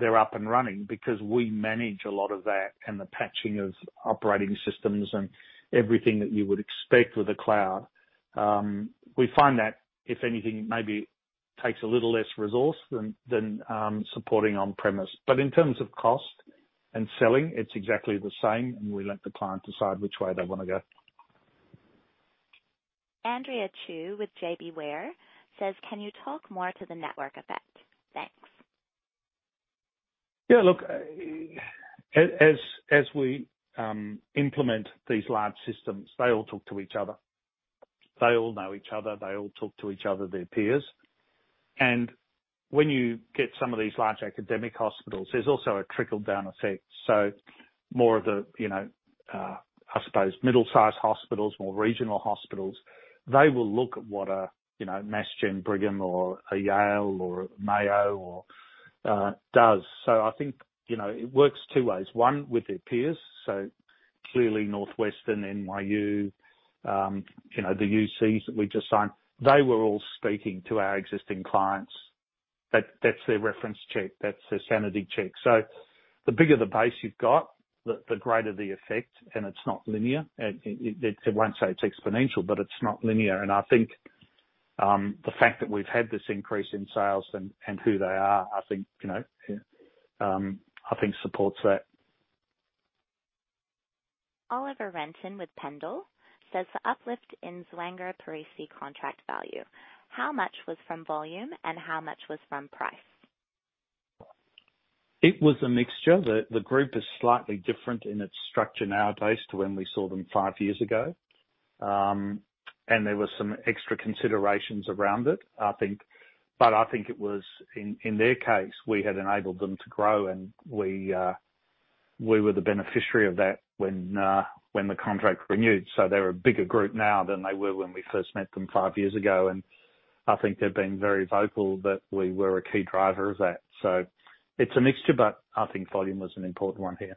they're up and running, because we manage a lot of that and the patching of operating systems and everything that you would expect with a cloud. We find that, if anything, maybe takes a little less resource than supporting on-premise. In terms of cost and selling, it's exactly the same, and we let the client decide which way they want to go. Andrea Chu with JBWere says, "Can you talk more to the network effect? Thanks." Yeah, look, as we implement these large systems, they all talk to each other. They all know each other, they all talk to each other, their peers. When you get some of these large academic hospitals, there's also a trickle-down effect. More of the, I suppose middle-sized hospitals, more regional hospitals, they will look at what a Mass General Brigham or a Yale or Mayo does. I think, it works two ways. One, with their peers. Clearly Northwestern, NYU, the UCs that we just signed, they were all speaking to our existing clients. That's their reference check. That's their sanity check. The bigger the base you've got, the greater the effect, and it's not linear. I won't say it's exponential, but it's not linear. I think, the fact that we've had this increase in sales and who they are, I think supports that. Oliver Renton with Pendal says, "The uplift in Zwanger-Pesiri contract value, how much was from volume and how much was from price?" It was a mixture. The group is slightly different in its structure nowadays to when we saw them five years ago. There were some extra considerations around it, I think. I think it was, in their case, we had enabled them to grow, and we were the beneficiary of that when the contract renewed. They're a bigger group now than they were when we first met them five years ago, and I think they've been very vocal that we were a key driver of that. It's a mixture, but I think volume was an important one here.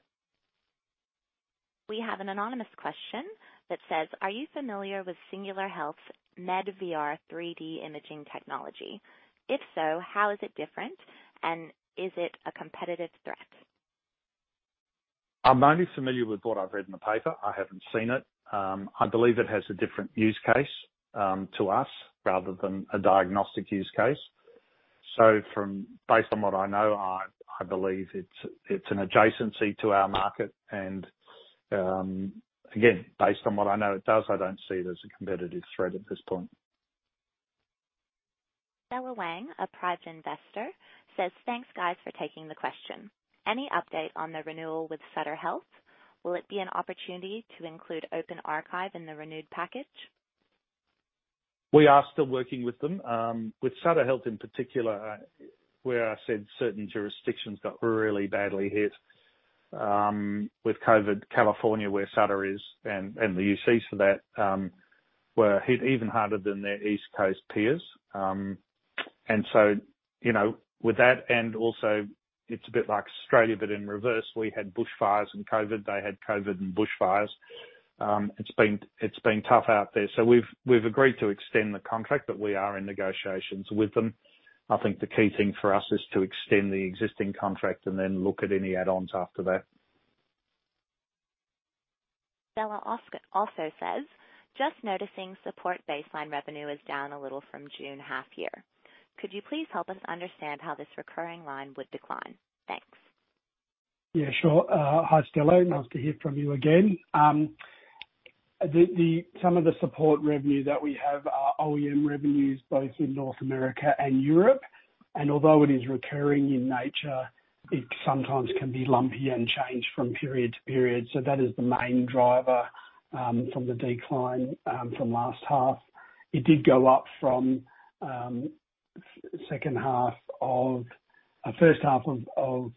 We have an anonymous question that says, "Are you familiar with Singular Health's MedVR 3D imaging technology? If so, how is it different, and is it a competitive threat?" I'm only familiar with what I've read in the paper. I haven't seen it. I believe it has a different use case, to us, rather than a diagnostic use case. Based on what I know, I believe it's an adjacency to our market. Again, based on what I know it does, I don't see it as a competitive threat at this point. Noah Wang, a private investor, says, "Thanks, guys, for taking the question. Any update on the renewal with Sutter Health? Will it be an opportunity to include Open Archive in the renewed package?" We are still working with them. With Sutter Health in particular, where I said certain jurisdictions got really badly hit with COVID, California, where Sutter is, and the UCs for that, were hit even harder than their East Coast peers. With that, and also it's a bit like Australia, but in reverse. We had bushfires and COVID, they had COVID and bushfires. It's been tough out there. We've agreed to extend the contract, but we are in negotiations with them. I think the key thing for us is to extend the existing contract and then look at any add-ons after that. Stella also says, "Just noticing support baseline revenue is down a little from June half year. Could you please help us understand how this recurring line would decline? Thanks." Yeah, sure. Hi, Stella. Nice to hear from you again. Some of the support revenue that we have are OEM revenues both in North America and Europe. Although it is recurring in nature, it sometimes can be lumpy and change from period to period. That is the main driver from the decline from last half. It did go up from first half of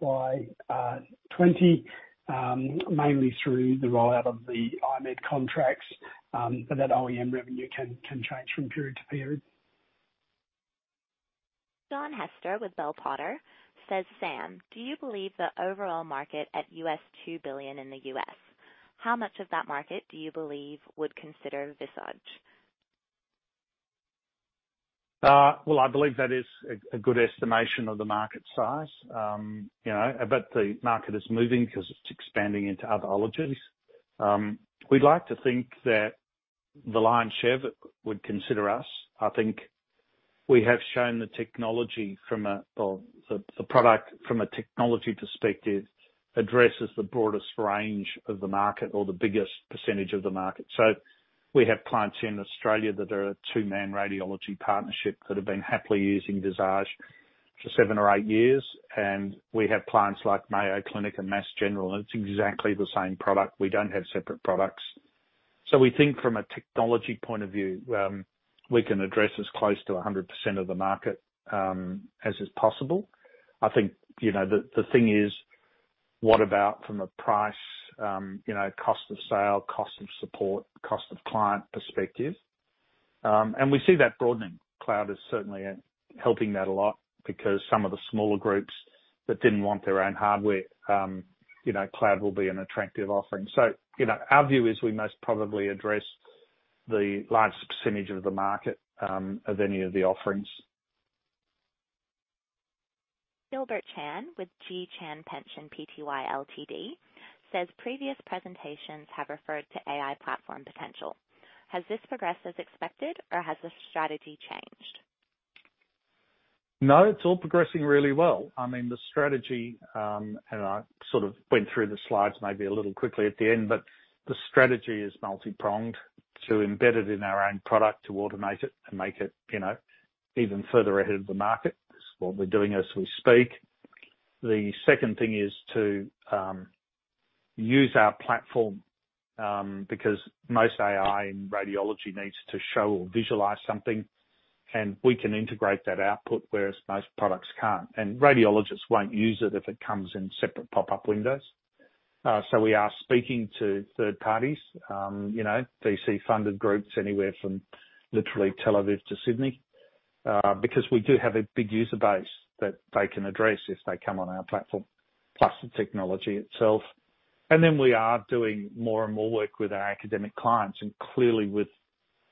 FY 2020, mainly through the rollout of the I-Med contracts, that OEM revenue can change from period to period. John Hester with Bell Potter says, "Sam, do you believe the overall market at $2 billion in the U.S.? How much of that market do you believe would consider Visage?" I believe that is a good estimation of the market size. The market is moving because it's expanding into other ologies. We'd like to think that the lion's share would consider us. I think we have shown the product from a technology perspective addresses the broadest range of the market or the biggest percentage of the market. We have clients here in Australia that are a two-man radiology partnership that have been happily using Visage for seven or eight years, and we have clients like Mayo Clinic and Mass General, and it's exactly the same product. We don't have separate products. We think from a technology point of view, we can address as close to 100% of the market as is possible. I think, the thing is, what about from a price, cost of sale, cost of support, cost of client perspective? We see that broadening. Cloud is certainly helping that a lot because some of the smaller groups that didn't want their own hardware, cloud will be an attractive offering. Our view is we most probably address the largest percentage of the market of any of the offerings. Gilbert Chan with G. Chan Pension PTY LTD says, "Previous presentations have referred to AI platform potential. Has this progressed as expected or has the strategy changed?" No, it's all progressing really well. The strategy, and I sort of went through the slides maybe a little quickly at the end, but the strategy is multi-pronged. To embed it in our own product, to automate it and make it even further ahead of the market is what we're doing as we speak. The second thing is to use our platform, because most AI in radiology needs to show or visualize something, and we can integrate that output, whereas most products can't. Radiologists won't use it if it comes in separate pop-up windows. We are speaking to third parties, VC-funded groups, anywhere from literally Tel Aviv to Sydney, because we do have a big user base that they can address if they come on our platform, plus the technology itself. We are doing more and more work with our academic clients. Clearly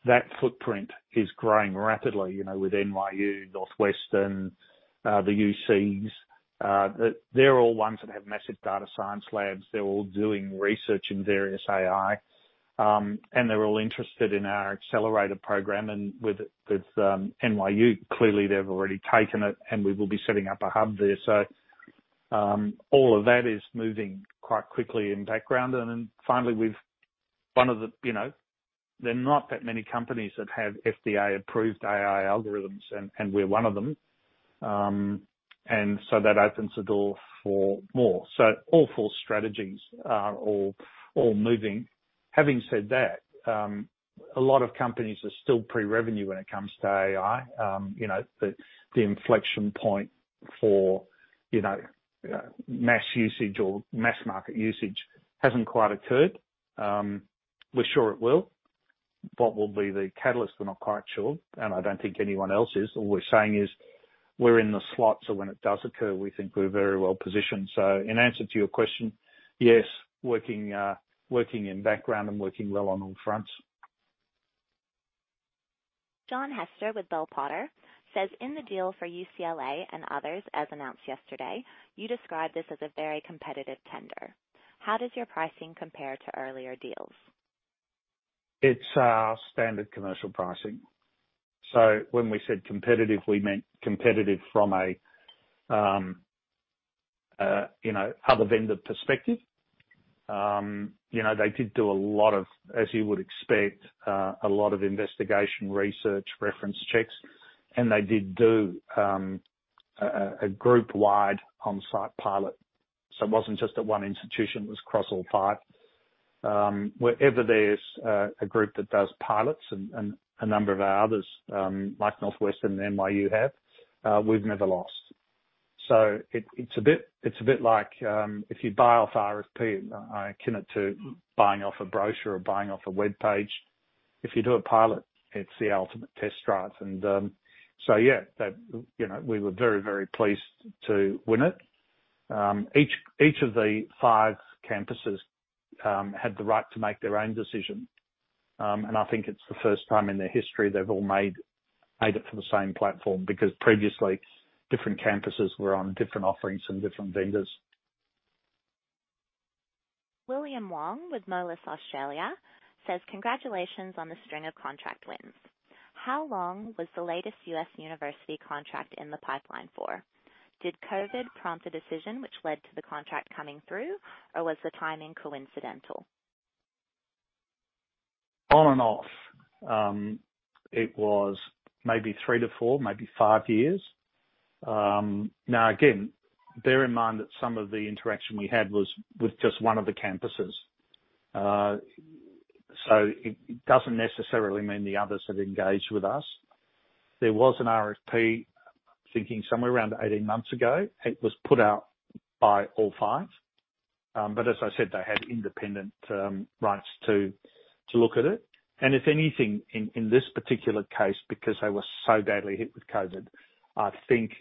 that footprint is growing rapidly with NYU, Northwestern, the UCs. They're all ones that have massive data science labs. They're all doing research in various AI. They're all interested in our AI accelerator program. With NYU, clearly they've already taken it, and we will be setting up a hub there. All of that is moving quite quickly in the background. Finally, there are not that many companies that have FDA-approved AI algorithms, and we're one of them. That opens the door for more. All four strategies are all moving. Having said that, a lot of companies are still pre-revenue when it comes to AI. The inflection point for mass usage or mass market usage hasn't quite occurred. We're sure it will. What will be the catalyst? We're not quite sure, and I don't think anyone else is. All we're saying is we're in the slot, when it does occur, we think we're very well-positioned. In answer to your question, yes, working in background and working well on all fronts. John Hester with Bell Potter says, "In the deal for UCLA and others, as announced yesterday, you described this as a very competitive tender. How does your pricing compare to earlier deals?" It's our standard commercial pricing. When we said competitive, we meant competitive from a other vendor perspective. They did do, as you would expect, a lot of investigation, research, reference checks, and they did do a group-wide on-site pilot. It wasn't just at one institution, it was across all five. Wherever there's a group that does pilots, and a number of our others, like Northwestern Medicine and NYU Langone Health have, we've never lost. It's a bit like, if you buy off RFP, I akin it to buying off a brochure or buying off a webpage. If you do a pilot, it's the ultimate test drive. Yeah, we were very pleased to win it. Each of the five campuses had the right to make their own decision. I think it's the first time in their history they've all made it for the same platform. Previously, different campuses were on different offerings from different vendors. William Wong with Moelis Australia says, "Congratulations on the string of contract wins. How long was the latest U.S. university contract in the pipeline for? Did COVID prompt a decision which led to the contract coming through, or was the timing coincidental?" On and off. It was maybe three to four, maybe five years. Again, bear in mind that some of the interaction we had was with just one of the campuses. It doesn't necessarily mean the others have engaged with us. There was an RFP, I'm thinking somewhere around 18 months ago. It was put out by all five. As I said, they had independent rights to look at it. If anything, in this particular case, because they were so badly hit with COVID, I think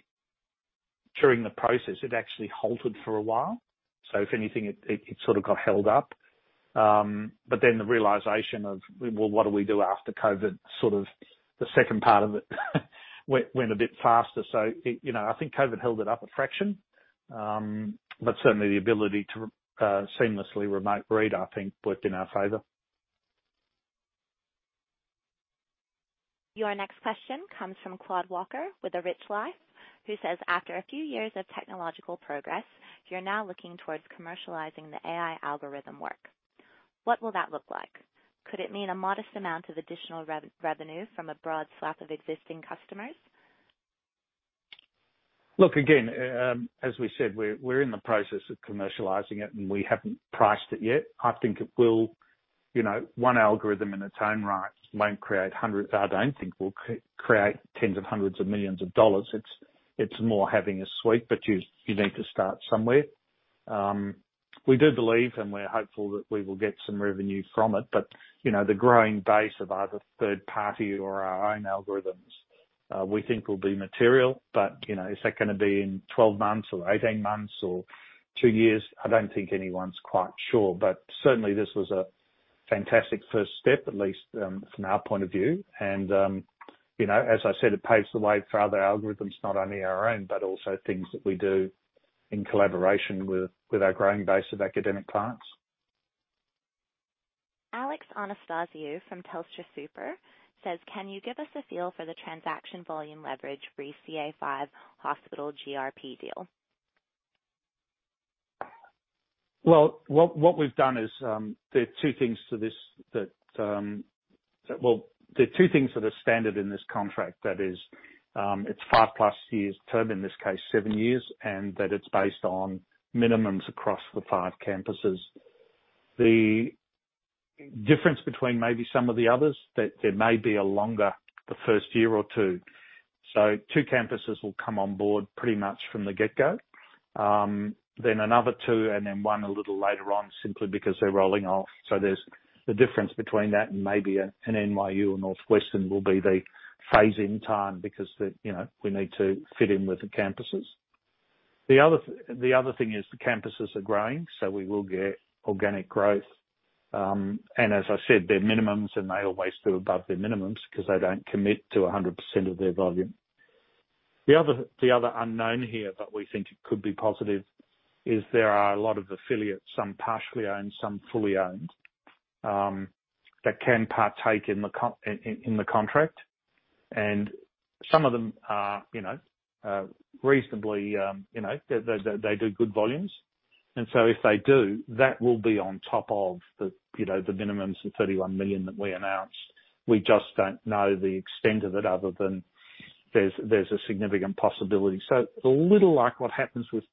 during the process, it actually halted for a while. If anything, it sort of got held up. The realization of, "Well, what do we do after COVID?" Sort of the second part of it went a bit faster. I think COVID held it up a fraction. Certainly the ability to seamlessly remote read, I think, worked in our favor. Your next question comes from Claude Walker with A Rich Life, who says, "After a few years of technological progress, you're now looking towards commercializing the AI algorithm work. What will that look like? Could it mean a modest amount of additional revenue from a broad swath of existing customers?" Look, again, as we said, we're in the process of commercializing it, and we haven't priced it yet. I think it will. One algorithm in its own right won't create tens of hundreds of millions of AUD. It's more having a suite, but you need to start somewhere. We do believe, and we're hopeful that we will get some revenue from it. The growing base of either third party or our own algorithms, we think will be material. Is that going to be in 12 months or 18 months or two years? I don't think anyone's quite sure. Certainly this was a fantastic first step, at least from our point of view. As I said, it paves the way for other algorithms, not only our own, but also things that we do in collaboration with our growing base of academic clients. Alex Anastasiou from Telstra Super, "Can you give us a feel for the transaction volume leverage re CA5 hospital GRP deal?" Well, there are two things that are standard in this contract. That is, it's five-plus years term, in this case, seven years, and that it's based on minimums across the five campuses. The difference between maybe some of the others, that there may be a longer the first year or two. Two campuses will come on board pretty much from the get-go. Another two and then one a little later on, simply because they're rolling off. There's the difference between that and maybe an NYU or Northwestern will be the phase-in time because we need to fit in with the campuses. The other thing is the campuses are growing, so we will get organic growth. As I said, they're minimums, and they always do above their minimums because they don't commit to 100% of their volume. The other unknown here that we think it could be positive is there are a lot of affiliates, some partially owned, some fully owned, that can partake in the contract. Some of them do good volumes. If they do, that will be on top of the minimums, the 31 million that we announced. We just don't know the extent of it other than there's a significant possibility. A little like what happens with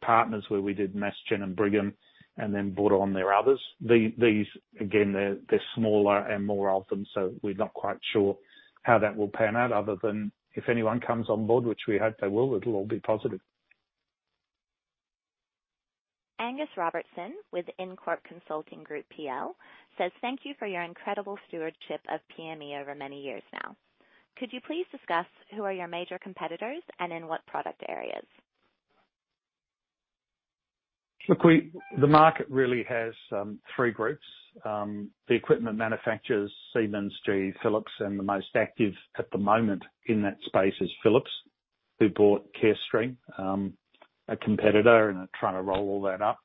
partners where we did Mass General and Brigham and then brought on their others. These, again, they're smaller and more of them, so we're not quite sure how that will pan out other than if anyone comes on board, which we hope they will, it'll all be positive. Angus Robertson with Incorp Consulting Group PL says, "Thank you for your incredible stewardship of PME over many years now. Could you please discuss who are your major competitors and in what product areas?" Look, the market really has three groups. The equipment manufacturers, Siemens, GE, Philips, and the most active at the moment in that space is Philips, who bought Carestream, a competitor, and are trying to roll all that up.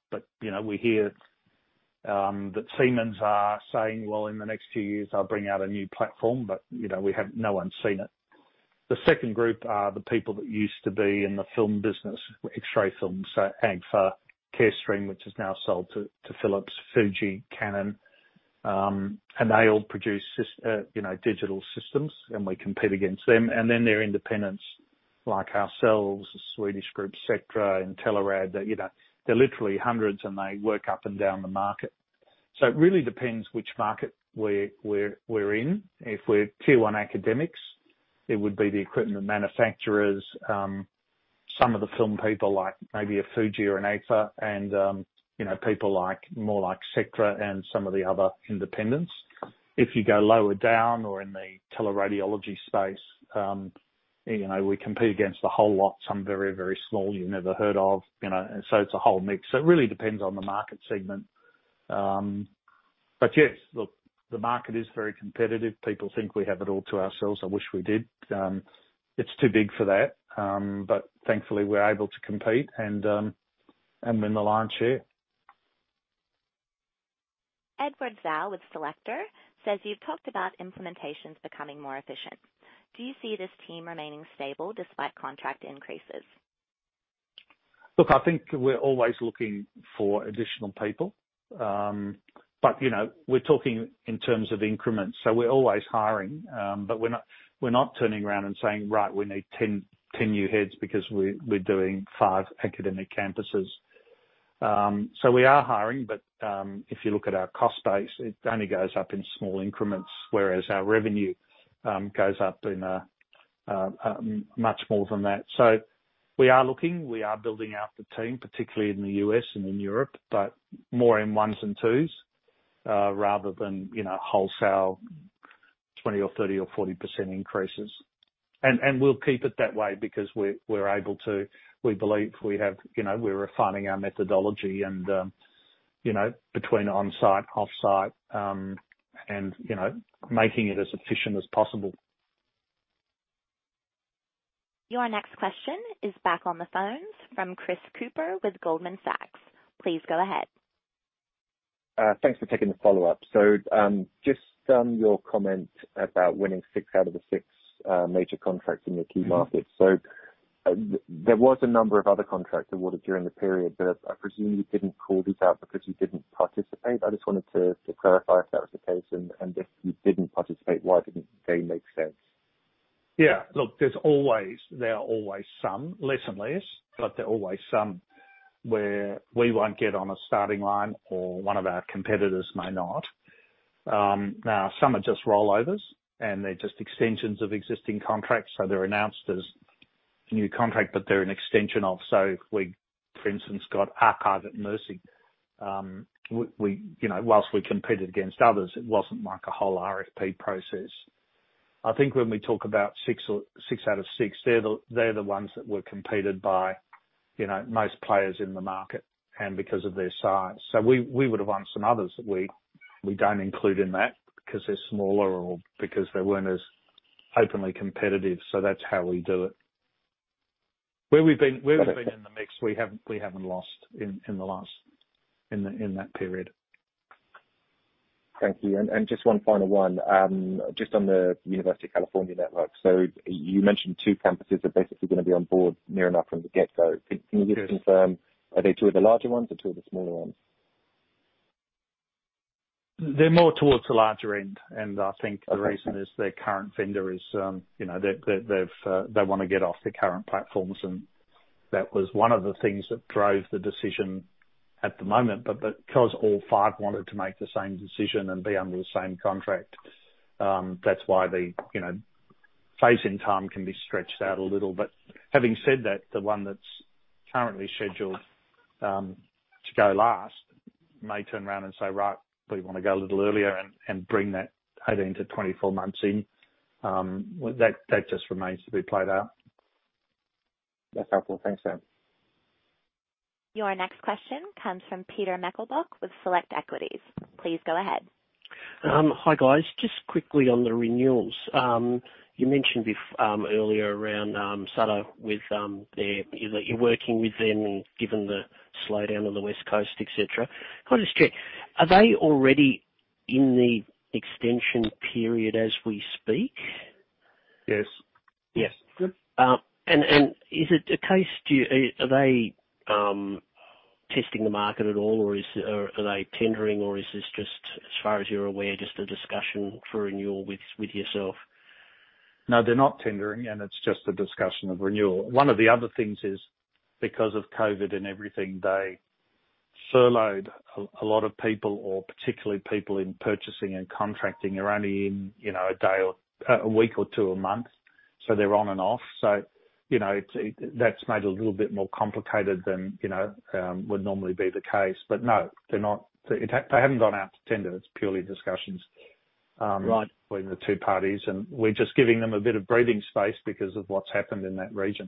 We hear that Siemens are saying, "Well, in the next few years I'll bring out a new platform," but no one's seen it. The second group are the people that used to be in the film business, X-ray film. Agfa, Carestream, which is now sold to Philips, Fuji, Canon. They all produce digital systems, and we compete against them. There are independents like ourselves, the Swedish group Sectra, Intelerad. There are literally hundreds, and they work up and down the market. It really depends which market we're in. If we're tier one academics, it would be the equipment manufacturers, some of the film people like maybe a Fujifilm or an Agfa, and people more like Sectra and some of the other independents. If you go lower down or in the teleradiology space, we compete against a whole lot. Some very, very small you've never heard of. It's a whole mix. It really depends on the market segment. Yes, look, the market is very competitive. People think we have it all to ourselves. I wish we did. It's too big for that. Thankfully, we're able to compete and win the lion's share. Edward Zhao with Selector says, "You've talked about implementations becoming more efficient. Do you see this team remaining stable despite contract increases?" Look, I think we're always looking for additional people. We're talking in terms of increments. We're always hiring, but we're not turning around and saying, "Right, we need 10 new heads because we're doing five academic campuses." We are hiring, but if you look at our cost base, it only goes up in small increments, whereas our revenue goes up in much more than that. We are looking. We are building out the team, particularly in the U.S. and in Europe, but more in ones and twos, rather than wholesale 20% or 30% or 40% increases. We'll keep it that way because we're able to. We believe we're refining our methodology and between on-site, offsite, and making it as efficient as possible. Your next question is back on the phones from Chris Cooper with Goldman Sachs. Please go ahead. Thanks for taking the follow-up. Just on your comment about winning six out of the six major contracts in your key markets, there was a number of other contracts awarded during the period, but I presume you didn't call these out because you didn't participate. I just wanted to clarify if that was the case and if you didn't participate, why didn't they make sense? Yeah. Look, there are always some, less and less, but there are always some where we won't get on a starting line or one of our competitors may not. Now some are just rollovers, and they're just extensions of existing contracts. They're announced as a new contract, but they're an extension of. We, for instance, got archive at Mercy. Whilst we competed against others, it wasn't like a whole RFP process. I think when we talk about six out of six, they're the ones that were competed by most players in the market and because of their size. We would've won some others that we don't include in that because they're smaller or because they weren't as openly competitive. That's how we do it. Where we've been in the mix, we haven't lost in that period. Thank you. Just one final one. Just on the University of California network. You mentioned two campuses are basically going to be on board near enough from the get-go. Yes. Can you just confirm, are they two of the larger ones or two of the smaller ones? They're more towards the larger end, and I think the reason is their current vendor is they want to get off their current platforms and that was one of the things that drove the decision at the moment. Because all five wanted to make the same decision and be under the same contract, that's why the phase-in time can be stretched out a little. Having said that, the one that's currently scheduled to go last may turn around and say, "Right, we want to go a little earlier," and bring that 18-24 months in. That just remains to be played out. That's helpful. Thanks, Sam. Your next question comes from Peter Meichelboeck with Select Equities. Please go ahead. Hi, guys. Just quickly on the renewals. You mentioned earlier around Sutter with you're working with them and given the slowdown on the West Coast, et cetera. Can I just check, are they already in the extension period as we speak? Yes. Yes. Is it a case, are they testing the market at all, or are they tendering, or is this just, as far as you're aware, just a discussion for renewal with yourself? No, they're not tendering. It's just a discussion of renewal. One of the other things is because of COVID and everything, they furloughed a lot of people. Particularly people in purchasing and contracting are only in a week or two a month. They're on and off. That's made it a little bit more complicated than would normally be the case. No, they haven't gone out to tender. It's purely discussions. Right between the two parties, and we're just giving them a bit of breathing space because of what's happened in that region.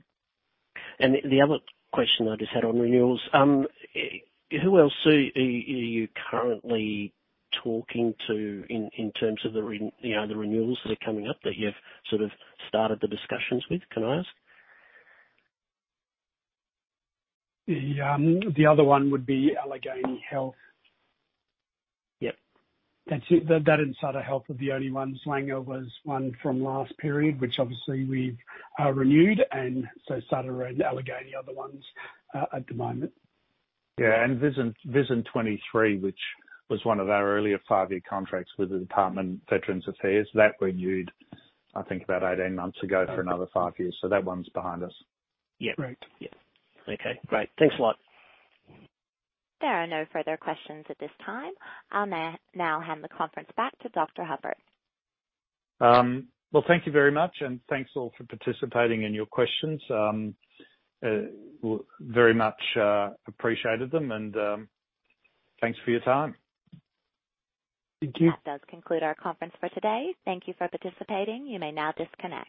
The other question I just had on renewals. Who else are you currently talking to in terms of the renewals that are coming up that you've sort of started the discussions with, can I ask? The other one would be Allegheny Health. Yep. That's it. That and Sutter Health are the only ones. Langone was one from last period, which obviously we've renewed. Sutter and Allegheny are the ones at the moment. Yeah. VISN 23, which was one of our earlier five-year contracts with the Department of Veterans Affairs. That renewed, I think about 18 months ago for another five years. That one's behind us. Yeah. Right. Yeah. Okay, great. Thanks a lot. There are no further questions at this time. I'll now hand the conference back to Dr. Hupert. Thank you very much, and thanks all for participating and your questions. We very much appreciated them, and thanks for your time. That does conclude our conference for today. Thank you for participating. You may now disconnect.